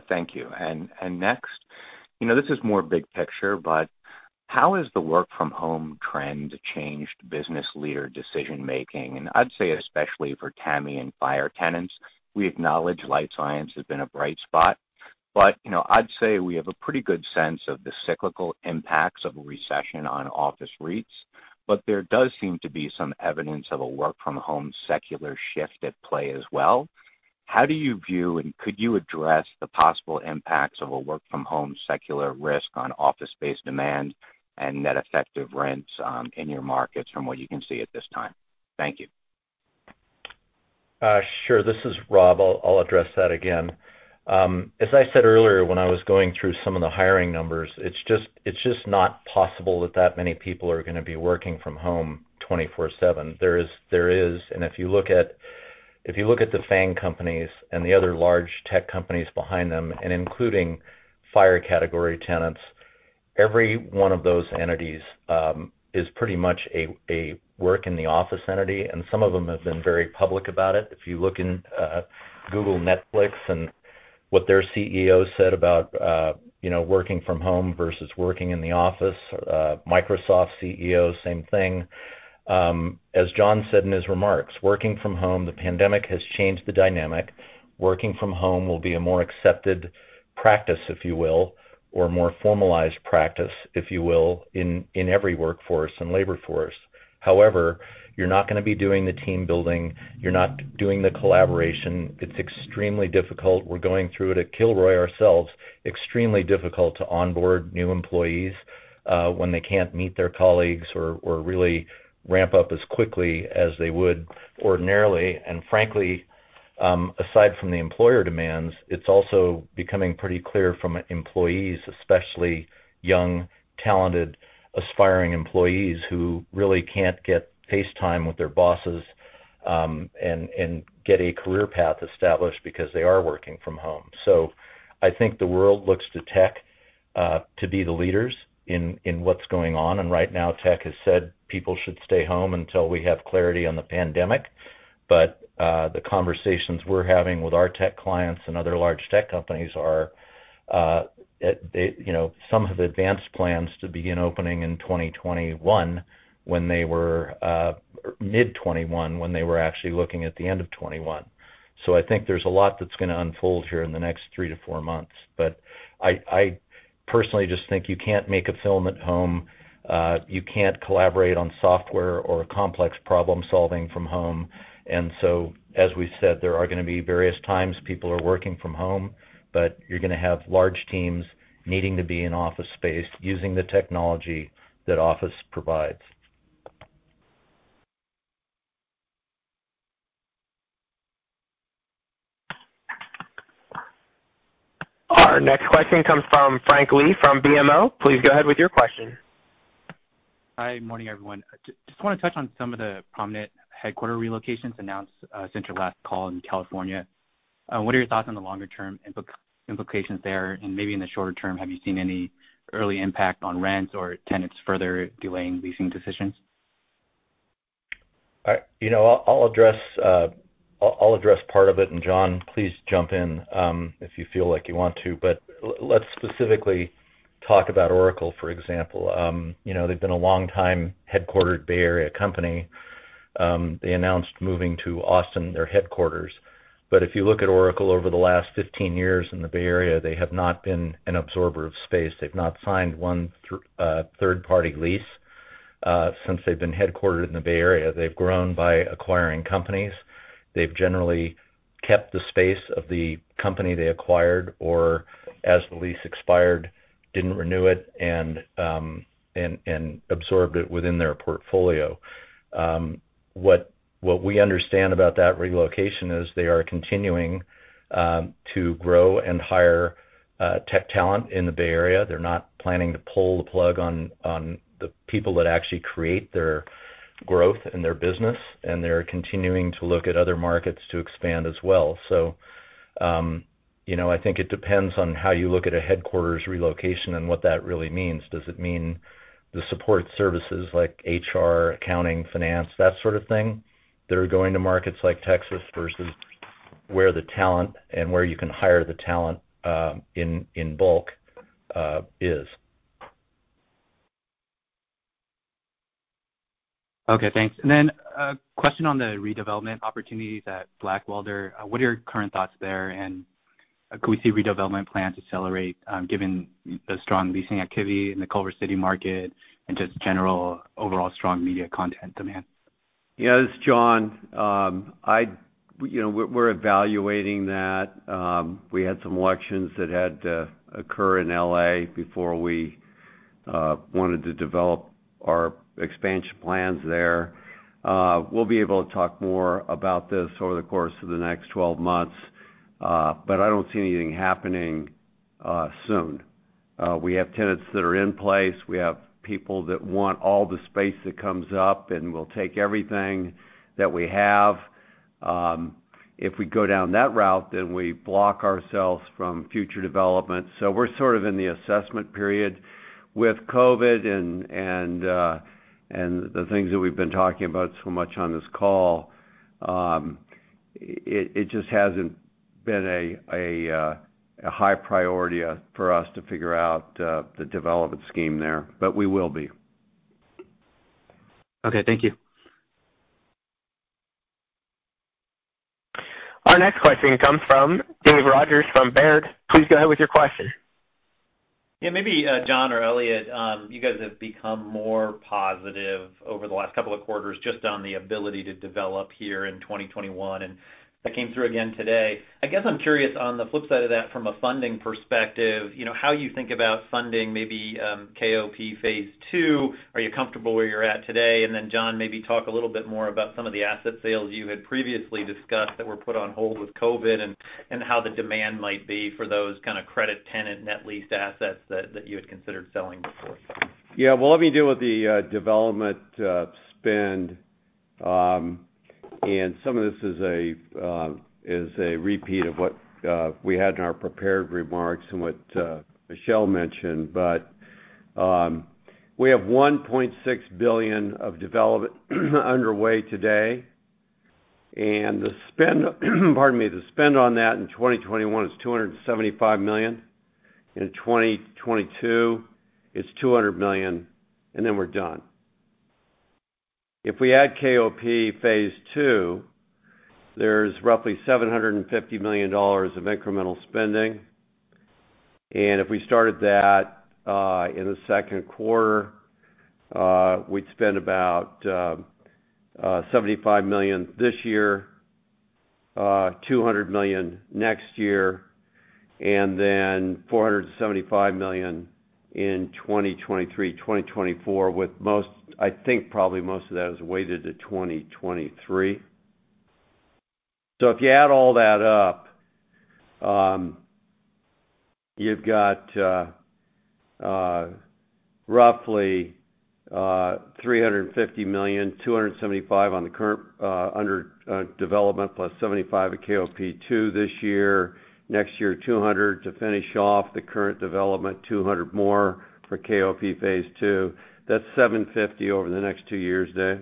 Thank you. Next, this is more big picture, how has the work from home trend changed business leader decision-making? I'd say especially for TAMI and FIRE tenants. We acknowledge life science has been a bright spot, I'd say we have a pretty good sense of the cyclical impacts of a recession on office REITs. There does seem to be some evidence of a work from home secular shift at play as well. How do you view, could you address the possible impacts of a work from home secular risk on office space demand and net effective rents in your markets from what you can see at this time? Thank you. Sure. This is Rob. I'll address that again. As I said earlier when I was going through some of the hiring numbers, it's just not possible that that many people are going to be working from home 24/7. If you look at the FAANG companies and the other large tech companies behind them, and including FIRE category tenants, every one of those entities is pretty much a work in the office entity, and some of them have been very public about it. If you look in Google, Netflix, and what their CEO said about working from home versus working in the office. Microsoft CEO, same thing. As John said in his remarks, working from home, the pandemic has changed the dynamic. Working from home will be a more accepted practice, if you will, or more formalized practice, if you will, in every workforce and labor force. You're not going to be doing the team building. You're not doing the collaboration. It's extremely difficult. We're going through it at Kilroy ourselves. Extremely difficult to onboard new employees when they can't meet their colleagues or really ramp up as quickly as they would ordinarily. Frankly, aside from the employer demands, it's also becoming pretty clear from employees, especially young, talented, aspiring employees who really can't get face time with their bosses, and get a career path established because they are working from home. I think the world looks to tech to be the leaders in what's going on. Right now, tech has said people should stay home until we have clarity on the pandemic. The conversations we're having with our tech clients and other large tech companies are some have advanced plans to begin opening in mid 2021, when they were actually looking at the end of 2021. I think there's a lot that's going to unfold here in the next three to four months. I personally just think you can't make a film at home. You can't collaborate on software or complex problem-solving from home. As we said, there are going to be various times people are working from home, but you're going to have large teams needing to be in office space using the technology that office provides. Our next question comes from Frank Lee from BMO. Please go ahead with your question. Hi. Morning, everyone. Just want to touch on some of the prominent headquarters relocations announced since your last call in California. What are your thoughts on the longer-term implications there? Maybe in the shorter term, have you seen any early impact on rents or tenants further delaying leasing decisions? I'll address part of it, and John, please jump in if you feel like you want to. Let's specifically talk about Oracle, for example. They've been a long-time headquartered Bay Area company. They announced moving to Austin, their headquarters. If you look at Oracle over the last 15 years in the Bay Area, they have not been an absorber of space. They've not signed one third-party lease since they've been headquartered in the Bay Area. They've grown by acquiring companies. They've generally kept the space of the company they acquired, or as the lease expired, didn't renew it, and absorbed it within their portfolio. What we understand about that relocation is they are continuing to grow and hire tech talent in the Bay Area. They're not planning to pull the plug on the people that actually create their growth and their business, they're continuing to look at other markets to expand as well. I think it depends on how you look at a headquarters relocation and what that really means. Does it mean the support services like HR, accounting, finance, that sort of thing, that are going to markets like Texas versus where the talent and where you can hire the talent in bulk is? Okay, thanks. A question on the redevelopment opportunities at Blackwelder. What are your current thoughts there, and could we see redevelopment plans accelerate given the strong leasing activity in the Culver City market and just general overall strong media content demand? Yeah. This is John. We're evaluating that. We had some elections that had to occur in L.A. before we wanted to develop our expansion plans there. We'll be able to talk more about this over the course of the next 12 months, but I don't see anything happening soon. We have tenants that are in place. We have people that want all the space that comes up and will take everything that we have. If we go down that route, then we block ourselves from future development. We're sort of in the assessment period. With COVID-19 and the things that we've been talking about so much on this call, it just hasn't been a high priority for us to figure out the development scheme there, but we will be. Okay, thank you. Our next question comes from Dave Rodgers from Baird. Please go ahead with your question. Yeah. Maybe, John or Eliott, you guys have become more positive over the last couple of quarters just on the ability to develop here in 2021, and that came through again today. I guess I'm curious on the flip side of that from a funding perspective, how you think about funding maybe KOP Phase II. Are you comfortable where you're at today? Then John, maybe talk a little bit more about some of the asset sales you had previously discussed that were put on hold with COVID-19 and how the demand might be for those kind of credit tenant net lease assets that you had considered selling before. Yeah. Well, let me deal with the development spend. Some of this is a repeat of what we had in our prepared remarks and what Michelle mentioned. We have $1.6 billion of development underway today, and the spend on that in 2021 is $275 million. In 2022, it's $200 million, then we're done. If we add KOP Phase II, there's roughly $750 million of incremental spending, if we started that in the second quarter, we'd spend about $75 million this year, $200 million next year, then $475 million in 2023, 2024, with I think probably most of that is weighted to 2023. If you add all that up, you've got roughly $350 million, $275 million under development plus $75 million of KOP II this year. Next year, $200 million to finish off the current development, $200 million more for KOP Phase II. That's $750 over the next two years, Dave?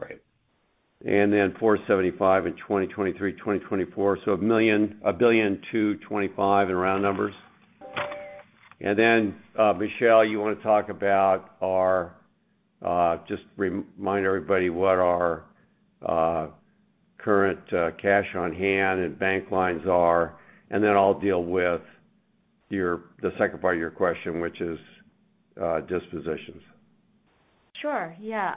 Right. $475 million in 2023, 2024. $1 billion to 2025 in round numbers. Michelle, just remind everybody what our current cash on hand and bank lines are, I'll deal with the second part of your question, which is dispositions. Sure. Yeah.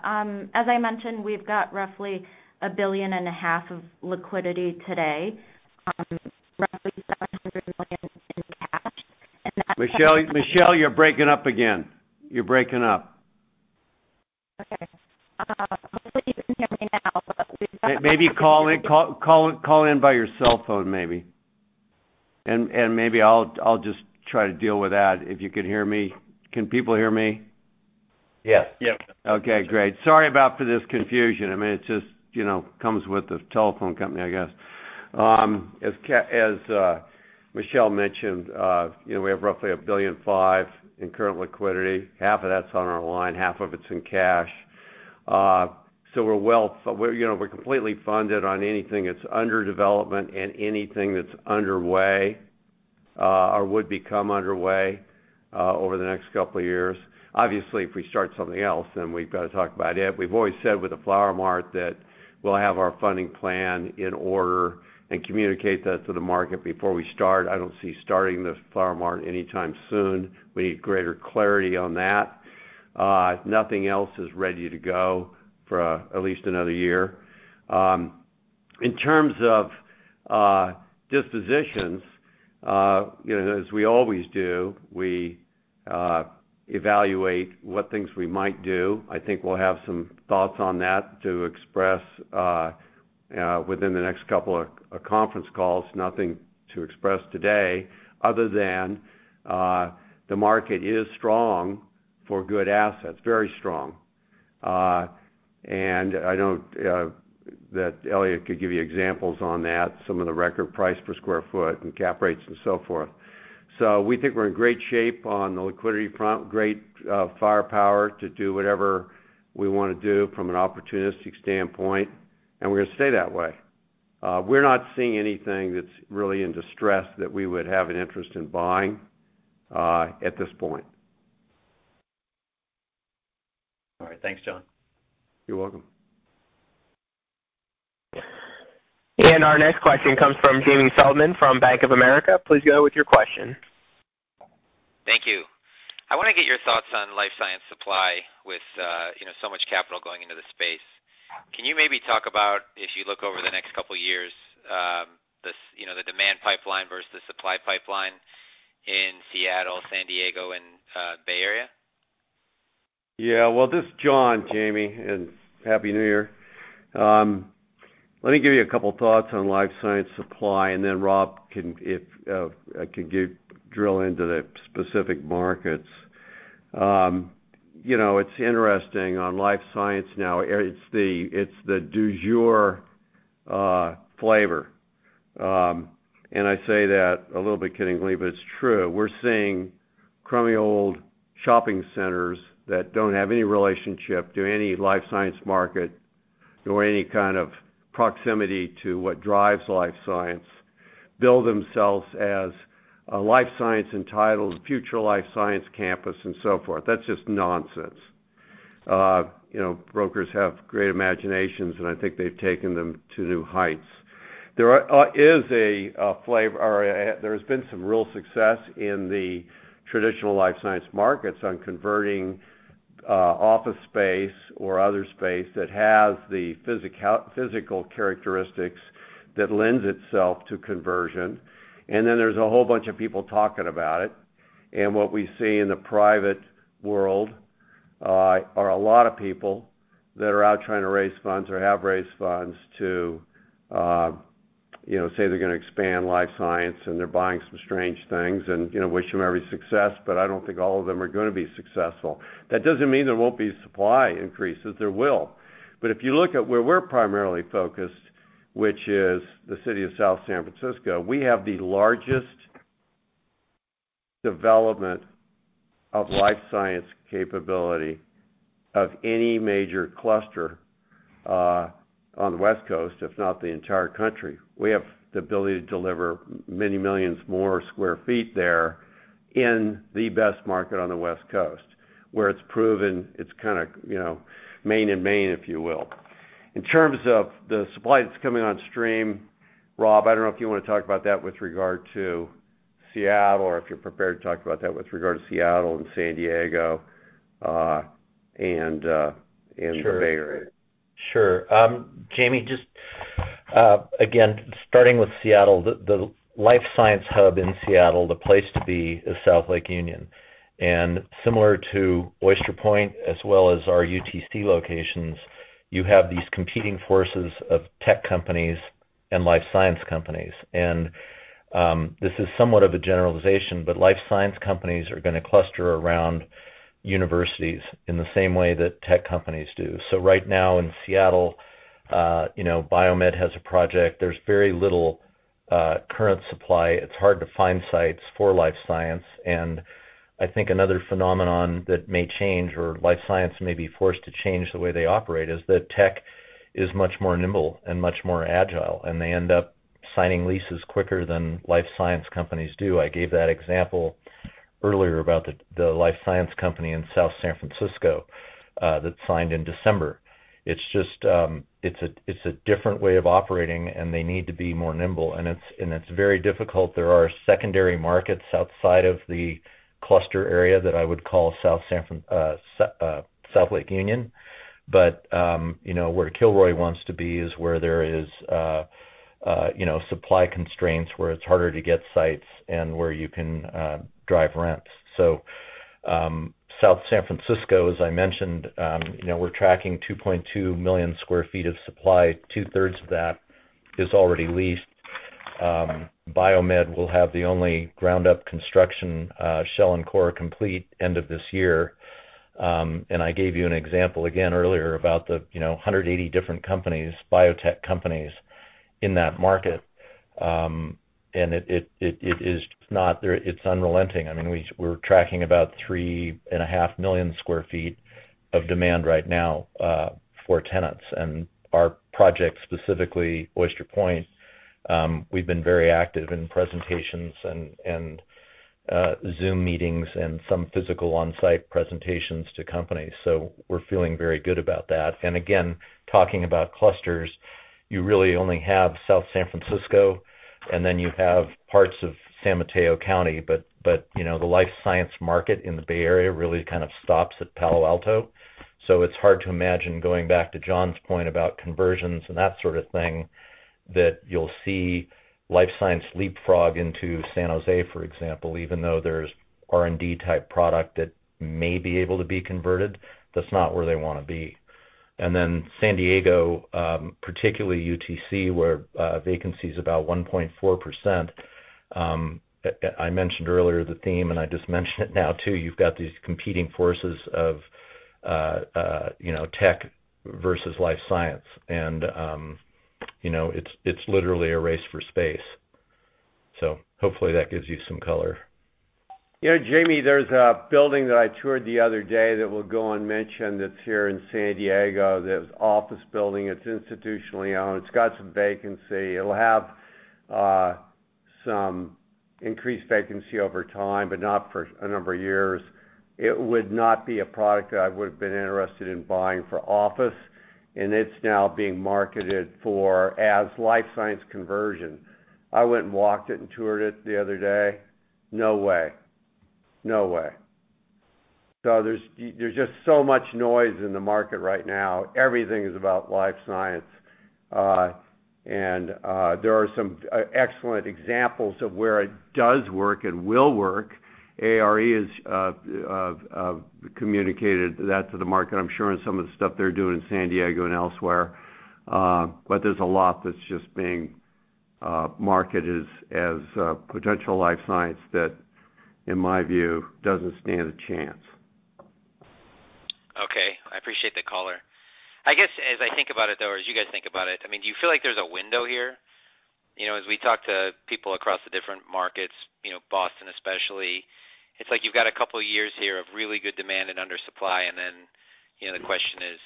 As I mentioned, we've got roughly a $1.5 billion of liquidity today, roughly $700 million in cash. [AUDIO DISTORTION] Michelle, you're breaking up again. You're breaking up. Okay. Hopefully you can hear me now. Maybe call in by your cellphone, maybe. Maybe I'll just try to deal with that if you can hear me. Can people hear me? Yep. Okay, great. Sorry about for this confusion. It just comes with the telephone company, I guess. As Michelle mentioned, we have roughly $1.5 billion in current liquidity. Half of that's on our line, half of it's in cash. We're completely funded on anything that's under development and anything that's underway, or would become underway over the next couple of years. Obviously, if we start something else, we've got to talk about it. We've always said with the Flower Mart that we'll have our funding plan in order and communicate that to the market before we start. I don't see starting the Flower Mart anytime soon. We need greater clarity on that. Nothing else is ready to go for at least another year. In terms of dispositions, as we always do, we evaluate what things we might do. I think we'll have some thoughts on that to express within the next couple of conference calls. Nothing to express today other than the market is strong for good assets. Very strong. I know that Eliott could give you examples on that, some of the record price per square foot and cap rates and so forth. We think we're in great shape on the liquidity front, great firepower to do whatever we want to do from an opportunistic standpoint. We're going to stay that way. We're not seeing anything that's really in distress that we would have an interest in buying at this point. All right. Thanks, John. You're welcome. Our next question comes from Jamie Feldman from Bank of America. Please go with your question. Thank you. I want to get your thoughts on life science supply with so much capital going into the space. Can you maybe talk about, if you look over the next couple of years, the demand pipeline versus the supply pipeline in Seattle, San Diego, and Bay Area? Yeah. Well, this is John, Jamie, and Happy New Year. Let me give you a couple thoughts on life science supply, and then Rob can drill into the specific markets. It's interesting on life science now, it's the du jour flavor. I say that a little bit kiddingly, but it's true. We're seeing crummy old shopping centers that don't have any relationship to any life science market, nor any kind of proximity to what drives life science, bill themselves as a life science entitled, future life science campus, and so forth. That's just nonsense. Brokers have great imaginations, and I think they've taken them to new heights. There has been some real success in the traditional life science markets on converting office space or other space that has the physical characteristics that lends itself to conversion. There's a whole bunch of people talking about it. What we see in the private world are a lot of people that are out trying to raise funds or have raised funds to say they're going to expand life science, and they're buying some strange things, and wish them every success, but I don't think all of them are going to be successful. That doesn't mean there won't be supply increases. There will. If you look at where we're primarily focused, which is the City of South San Francisco, we have the largest development of life science capability of any major cluster on the West Coast, if not the entire country. We have the ability to deliver many millions more square feet there in the best market on the West Coast, where it's proven. It's kind of Main and Main, if you will. In terms of the supply that's coming on stream, Rob, I don't know if you want to talk about that with regard to Seattle, or if you're prepared to talk about that with regard to Seattle and San Diego and the Bay Area. Sure. Jamie, just again, starting with Seattle, the life science hub in Seattle, the place to be is South Lake Union. Similar to Oyster Point as well as our UTC locations, you have these competing forces of tech companies and life science companies. This is somewhat of a generalization, but life science companies are going to cluster around universities in the same way that tech companies do. Right now in Seattle, BioMed has a project. There's very little current supply. It's hard to find sites for life science. I think another phenomenon that may change, or life science may be forced to change the way they operate, is that tech is much more nimble and much more agile, and they end up signing leases quicker than life science companies do. I gave that example earlier about the life science company in South San Francisco that signed in December. It's a different way of operating, and they need to be more nimble, and it's very difficult. There are secondary markets outside of the cluster area that I would call South Lake Union. Where Kilroy wants to be is where there is supply constraints, where it's harder to get sites, and where you can drive rents. South San Francisco, as I mentioned, we're tracking 2.2 million square feet of supply. 2/3 of that is already leased. BioMed will have the only ground-up construction, shell and core complete end of this year. I gave you an example again earlier about the 180 different companies, biotech companies in that market. It's unrelenting. We're tracking about 3.5 million square feet of demand right now for tenants. Our project, specifically Oyster Point, we've been very active in presentations and Zoom meetings and some physical on-site presentations to companies. Again, talking about clusters, you really only have South San Francisco, then you have parts of San Mateo County. The life science market in the Bay Area really kind of stops at Palo Alto. It's hard to imagine, going back to John's point about conversions and that sort of thing, that you'll see life science leapfrog into San Jose, for example, even though there's R&D type product that may be able to be converted, that's not where they want to be. Then San Diego, particularly UTC, where vacancy is about 1.4%. I mentioned earlier the theme, and I just mention it now, too. You've got these competing forces of tech versus life science, and it's literally a race for space. Hopefully that gives you some color. Jamie, there's a building that I toured the other day that we'll go and mention that's here in San Diego. This office building, it's institutionally owned. It's got some vacancy. It'll have some increased vacancy over time, but not for a number of years. It would not be a product that I would have been interested in buying for office, and it's now being marketed as life science conversion. I went and walked it and toured it the other day. No way. There's just so much noise in the market right now. Everything is about life science. There are some excellent examples of where it does work and will work. ARE has communicated that to the market, I'm sure, in some of the stuff they're doing in San Diego and elsewhere. There's a lot that's just being marketed as potential life science that, in my view, doesn't stand a chance. Okay. I appreciate the color. I guess, as I think about it, though, or as you guys think about it, do you feel like there's a window here? As we talk to people across the different markets, Boston especially, it's like you've got a couple of years here of really good demand and under supply, the question is,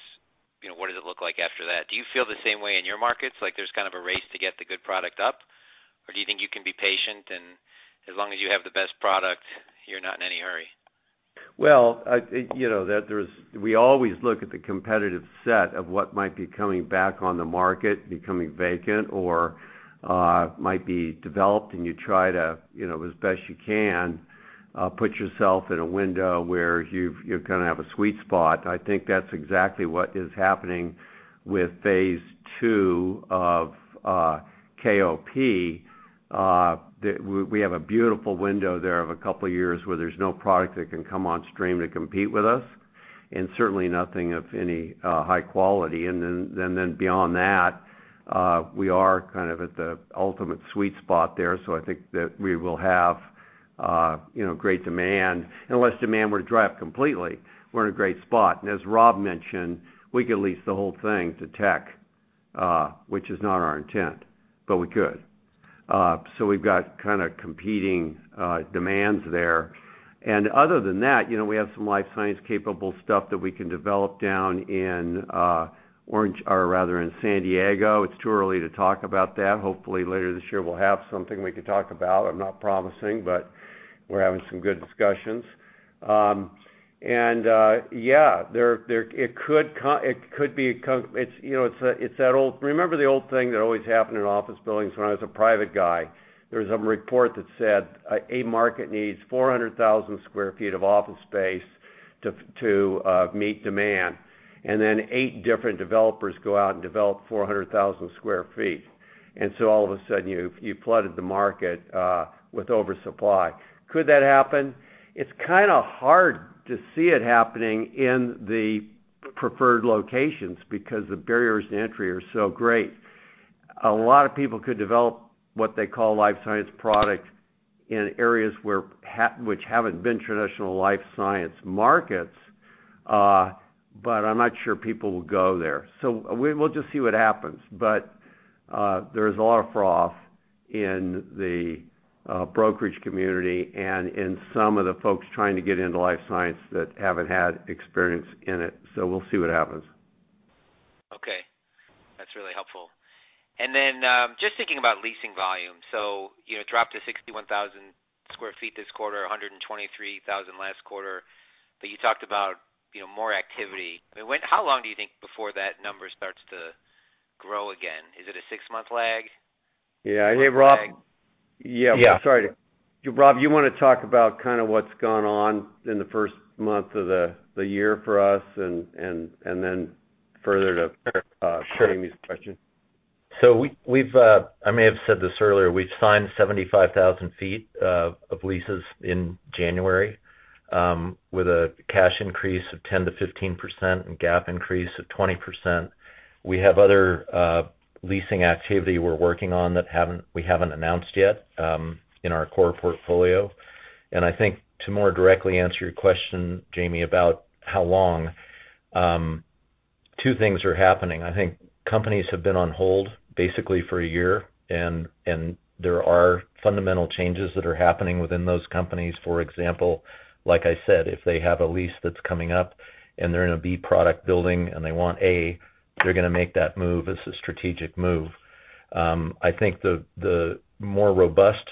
what does it look like after that? Do you feel the same way in your markets? Like there's kind of a race to get the good product up? Do you think you can be patient and as long as you have the best product, you're not in any hurry? Well, we always look at the competitive set of what might be coming back on the market, becoming vacant, or might be developed. You try to, as best you can, put yourself in a window where you kind of have a sweet spot. I think that's exactly what is happening with Phase II of KOP. We have a beautiful window there of a couple of years where there's no product that can come on stream to compete with us, and certainly nothing of any high quality. Beyond that, we are kind of at the ultimate sweet spot there. I think that we will have great demand. Unless demand were to drop completely, we're in a great spot. As Rob mentioned, we could lease the whole thing to tech, which is not our intent, but we could. We've got kind of competing demands there. Other than that, we have some life science-capable stuff that we can develop down in San Diego. It's too early to talk about that. Hopefully, later this year, we'll have something we can talk about. I'm not promising, but we're having some good discussions. Yeah, remember the old thing that always happened in office buildings when I was a private guy? There was a report that said a market needs 400,000 sq ft of office space to meet demand. Then eight different developers go out and develop 400,000 sq ft. So all of a sudden, you've flooded the market with oversupply. Could that happen? It's kind of hard to see it happening in the preferred locations because the barriers to entry are so great. A lot of people could develop what they call life science product in areas which haven't been traditional life science markets. I'm not sure people will go there. We'll just see what happens. There is a lot of froth in the brokerage community and in some of the folks trying to get into life science that haven't had experience in it. We'll see what happens. Okay. That's really helpful. Just thinking about leasing volume. It dropped to 61,000 sq ft this quarter, 123,000 sq ft last quarter, but you talked about more activity. How long do you think before that number starts to grow again? Is it a six-month lag? Yeah. Hey, Rob. Yeah. Yeah, I'm sorry. Rob, you want to talk about kind of what's gone on in the first month of the year for us and then further to Jamie's question? I may have said this earlier. We've signed 75,000 ft of leases in January, with a cash increase of 10%-15% and GAAP increase of 20%. We have other leasing activity we're working on that we haven't announced yet in our core portfolio. I think to more directly answer your question, Jamie, about how long. Two things are happening. I think companies have been on hold basically for a year, and there are fundamental changes that are happening within those companies. For example, like I said, if they have a lease that's coming up and they're in a B-product building and they want A, they're going to make that move as a strategic move. I think the more robust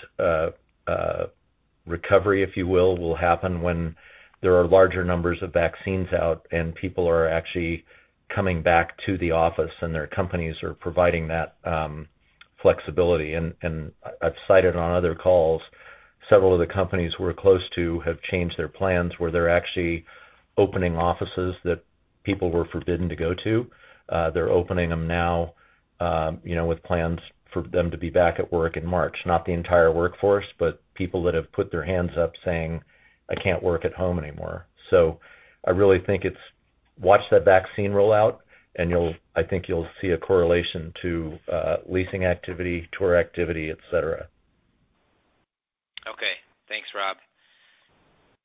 recovery, if you will happen when there are larger numbers of vaccines out and people are actually coming back to the office, and their companies are providing that flexibility. I've cited on other calls, several of the companies we're close to have changed their plans, where they're actually opening offices that people were forbidden to go to. They're opening them now with plans for them to be back at work in March. Not the entire workforce, but people that have put their hands up saying, "I can't work at home anymore." I really think it's watch that vaccine roll out, and I think you'll see a correlation to leasing activity, tour activity, et cetera. Okay. Thanks, Rob.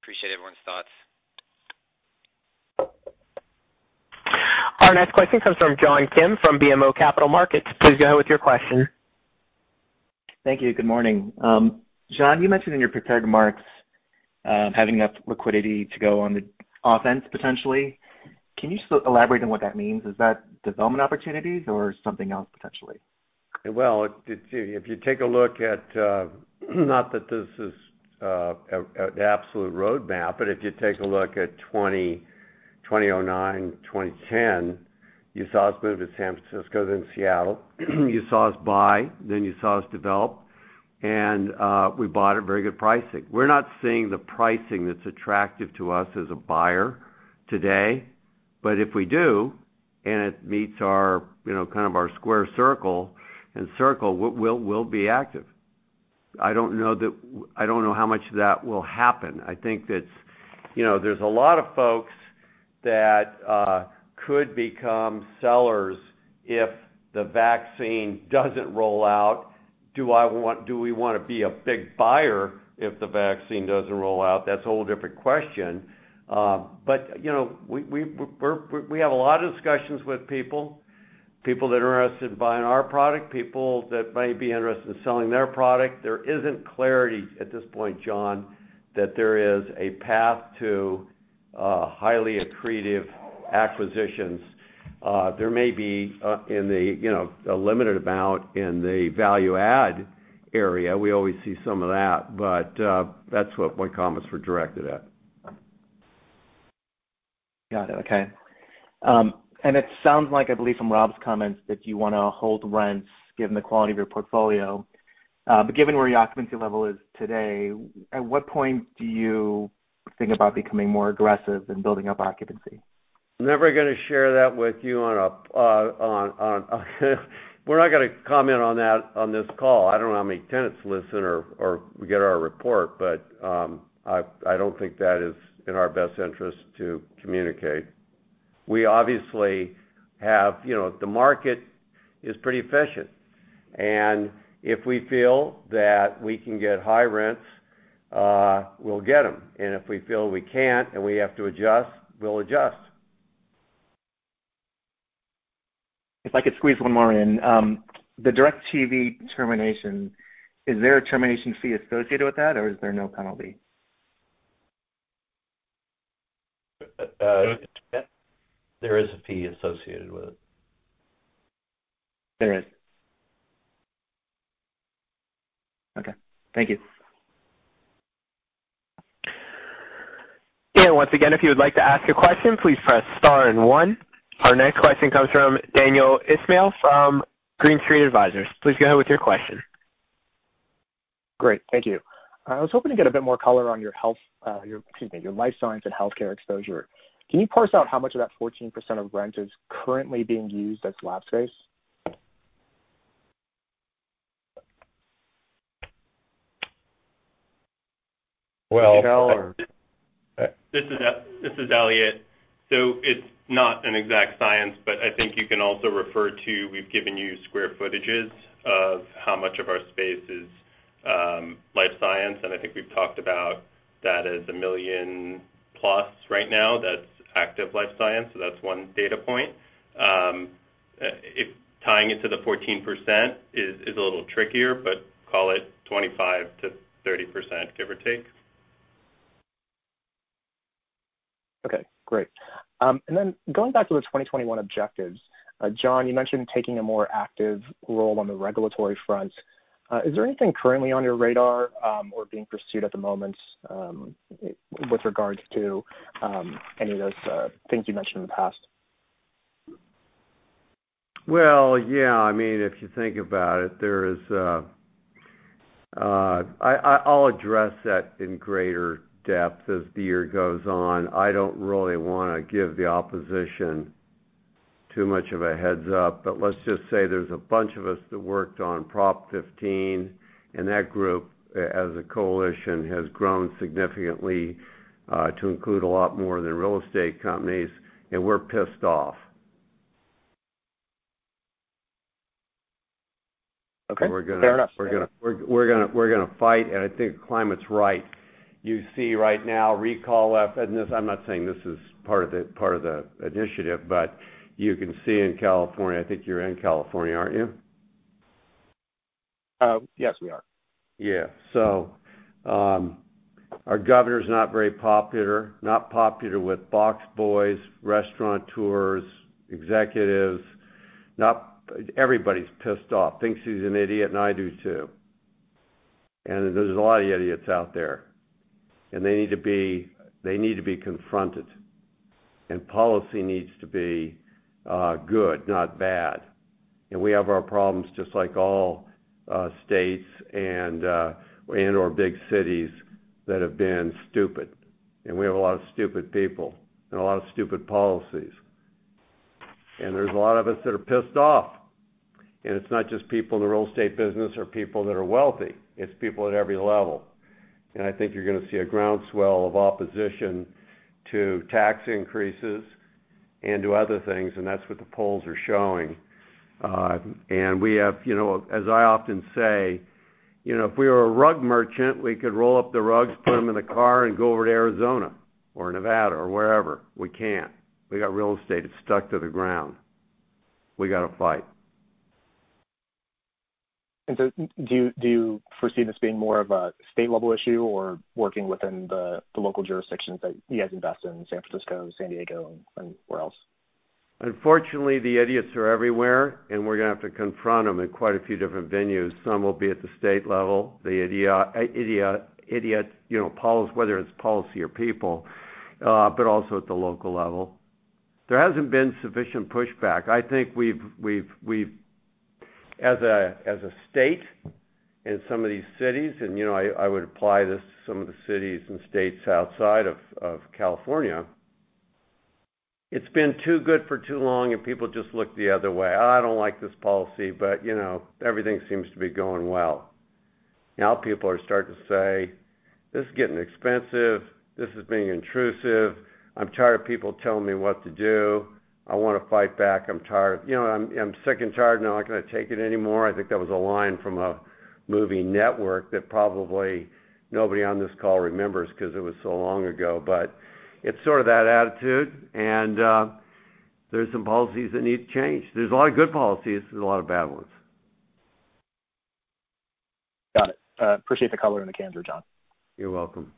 Appreciate everyone's thoughts. Our next question comes from John Kim from BMO Capital Markets. Please go ahead with your question. Thank you. Good morning. John, you mentioned in your prepared remarks, having enough liquidity to go on the offense, potentially. Can you just elaborate on what that means? Is that development opportunities or something else, potentially? Well, if you take a look at, not that this is the absolute roadmap, but if you take a look at 2009, 2010, you saw us move to San Francisco, then Seattle. You saw us buy, then you saw us develop, and we bought at very good pricing. We're not seeing the pricing that's attractive to us as a buyer today. If we do, and it meets our square circle, and circle we'll be active. I don't know how much of that will happen. I think that there's a lot of folks that could become sellers if the vaccine doesn't roll out. Do we want to be a big buyer if the vaccine doesn't roll out? That's a whole different question. We have a lot of discussions with people that are interested in buying our product, people that may be interested in selling their product. There isn't clarity at this point, John, that there is a path to highly accretive acquisitions. There may be a limited amount in the value-add area. We always see some of that. That's what my comments were directed at. Got it. Okay. It sounds like, I believe, from Rob's comments that you want to hold rents given the quality of your portfolio. Given where your occupancy level is today, at what point do you think about becoming more aggressive in building up occupancy? Never going to share that with you. We're not going to comment on that on this call. I don't know how many tenants listen or get our report, but I don't think that is in our best interest to communicate. The market is pretty efficient. If we feel that we can get high rents, we'll get them. If we feel we can't and we have to adjust, we'll adjust. If I could squeeze one more in. The DIRECTV termination, is there a termination fee associated with that, or is there no penalty? There is a fee associated with it. There is. Okay. Thank you. Once again, if you would like to ask a question, please press star and one. Our next question comes from Daniel Ismail from Green Street Advisors. Please go ahead with your question. Great. Thank you. I was hoping to get a bit more color on your life science and healthcare exposure. Can you parse out how much of that 14% of rent is currently being used as lab space? Well- This is Eliott. It's not an exact science, but I think you can also refer to, we've given you square footages of how much of our space is life science, and I think we've talked about that as a million plus right now. That's active life science. That's one data point. Tying it to the 14% is a little trickier, but call it 25%-30%, give or take. Okay, great. Going back to the 2021 objectives. John, you mentioned taking a more active role on the regulatory front. Is there anything currently on your radar or being pursued at the moment with regards to any of those things you mentioned in the past? Well, yeah. If you think about it, I'll address that in greater depth as the year goes on. I don't really want to give the opposition too much of a heads up. Let's just say there's a bunch of us that worked on Prop 15, and that group, as a coalition, has grown significantly to include a lot more of the real estate companies. We're pissed off. Okay, fair enough. We're going to fight. I think the climate's right. You see right now recall effort. I'm not saying this is part of the initiative. You can see in California, I think you're in California, aren't you? Yes, we are. Yeah. Our governor's not very popular. Not popular with box boys, restaurateurs, executives. Everybody's pissed off, thinks he's an idiot, and I do too. There's a lot of idiots out there. They need to be confronted. Policy needs to be good, not bad. We have our problems just like all states and/or big cities that have been stupid. We have a lot of stupid people and a lot of stupid policies. There's a lot of us that are pissed off. It's not just people in the real estate business or people that are wealthy. It's people at every level. I think you're going to see a groundswell of opposition to tax increases and to other things, and that's what the polls are showing. We have, as I often say, if we were a rug merchant, we could roll up the rugs, put them in the car, and go over to Arizona or Nevada or wherever. We can't. We got real estate. It's stuck to the ground. We got to fight. Do you foresee this being more of a state-level issue or working within the local jurisdictions that you guys invest in, San Francisco, San Diego, and where else? Unfortunately, the idiots are everywhere, and we're going to have to confront them in quite a few different venues. Some will be at the state level. The idiots, whether it's policy or people, also at the local level. There hasn't been sufficient pushback. I think as a state in some of these cities, and I would apply this to some of the cities and states outside of California. It's been too good for too long, and people just look the other way. "I don't like this policy, but everything seems to be going well." Now people are starting to say, "This is getting expensive. This is being intrusive. I'm tired of people telling me what to do. I want to fight back. I'm sick and tired, and I'm not going to take it anymore." I think that was a line from a movie, "Network," that probably nobody on this call remembers because it was so long ago. It's sort of that attitude, and there's some policies that need to change. There's a lot of good policies. There's a lot of bad ones. Got it. Appreciate the color and the candor, John. You're welcome.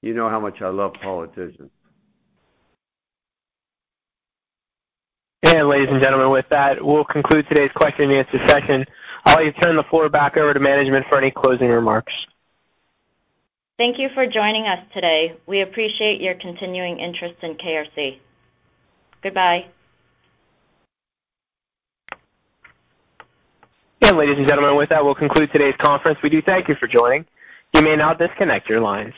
You know how much I love politicians. Ladies and gentlemen, with that, we'll conclude today's question-and-answer session. I'll turn the floor back over to management for any closing remarks. Thank you for joining us today. We appreciate your continuing interest in KRC. Goodbye. Ladies and gentlemen, with that, we'll conclude today's conference. We do thank you for joining. You may now disconnect your lines.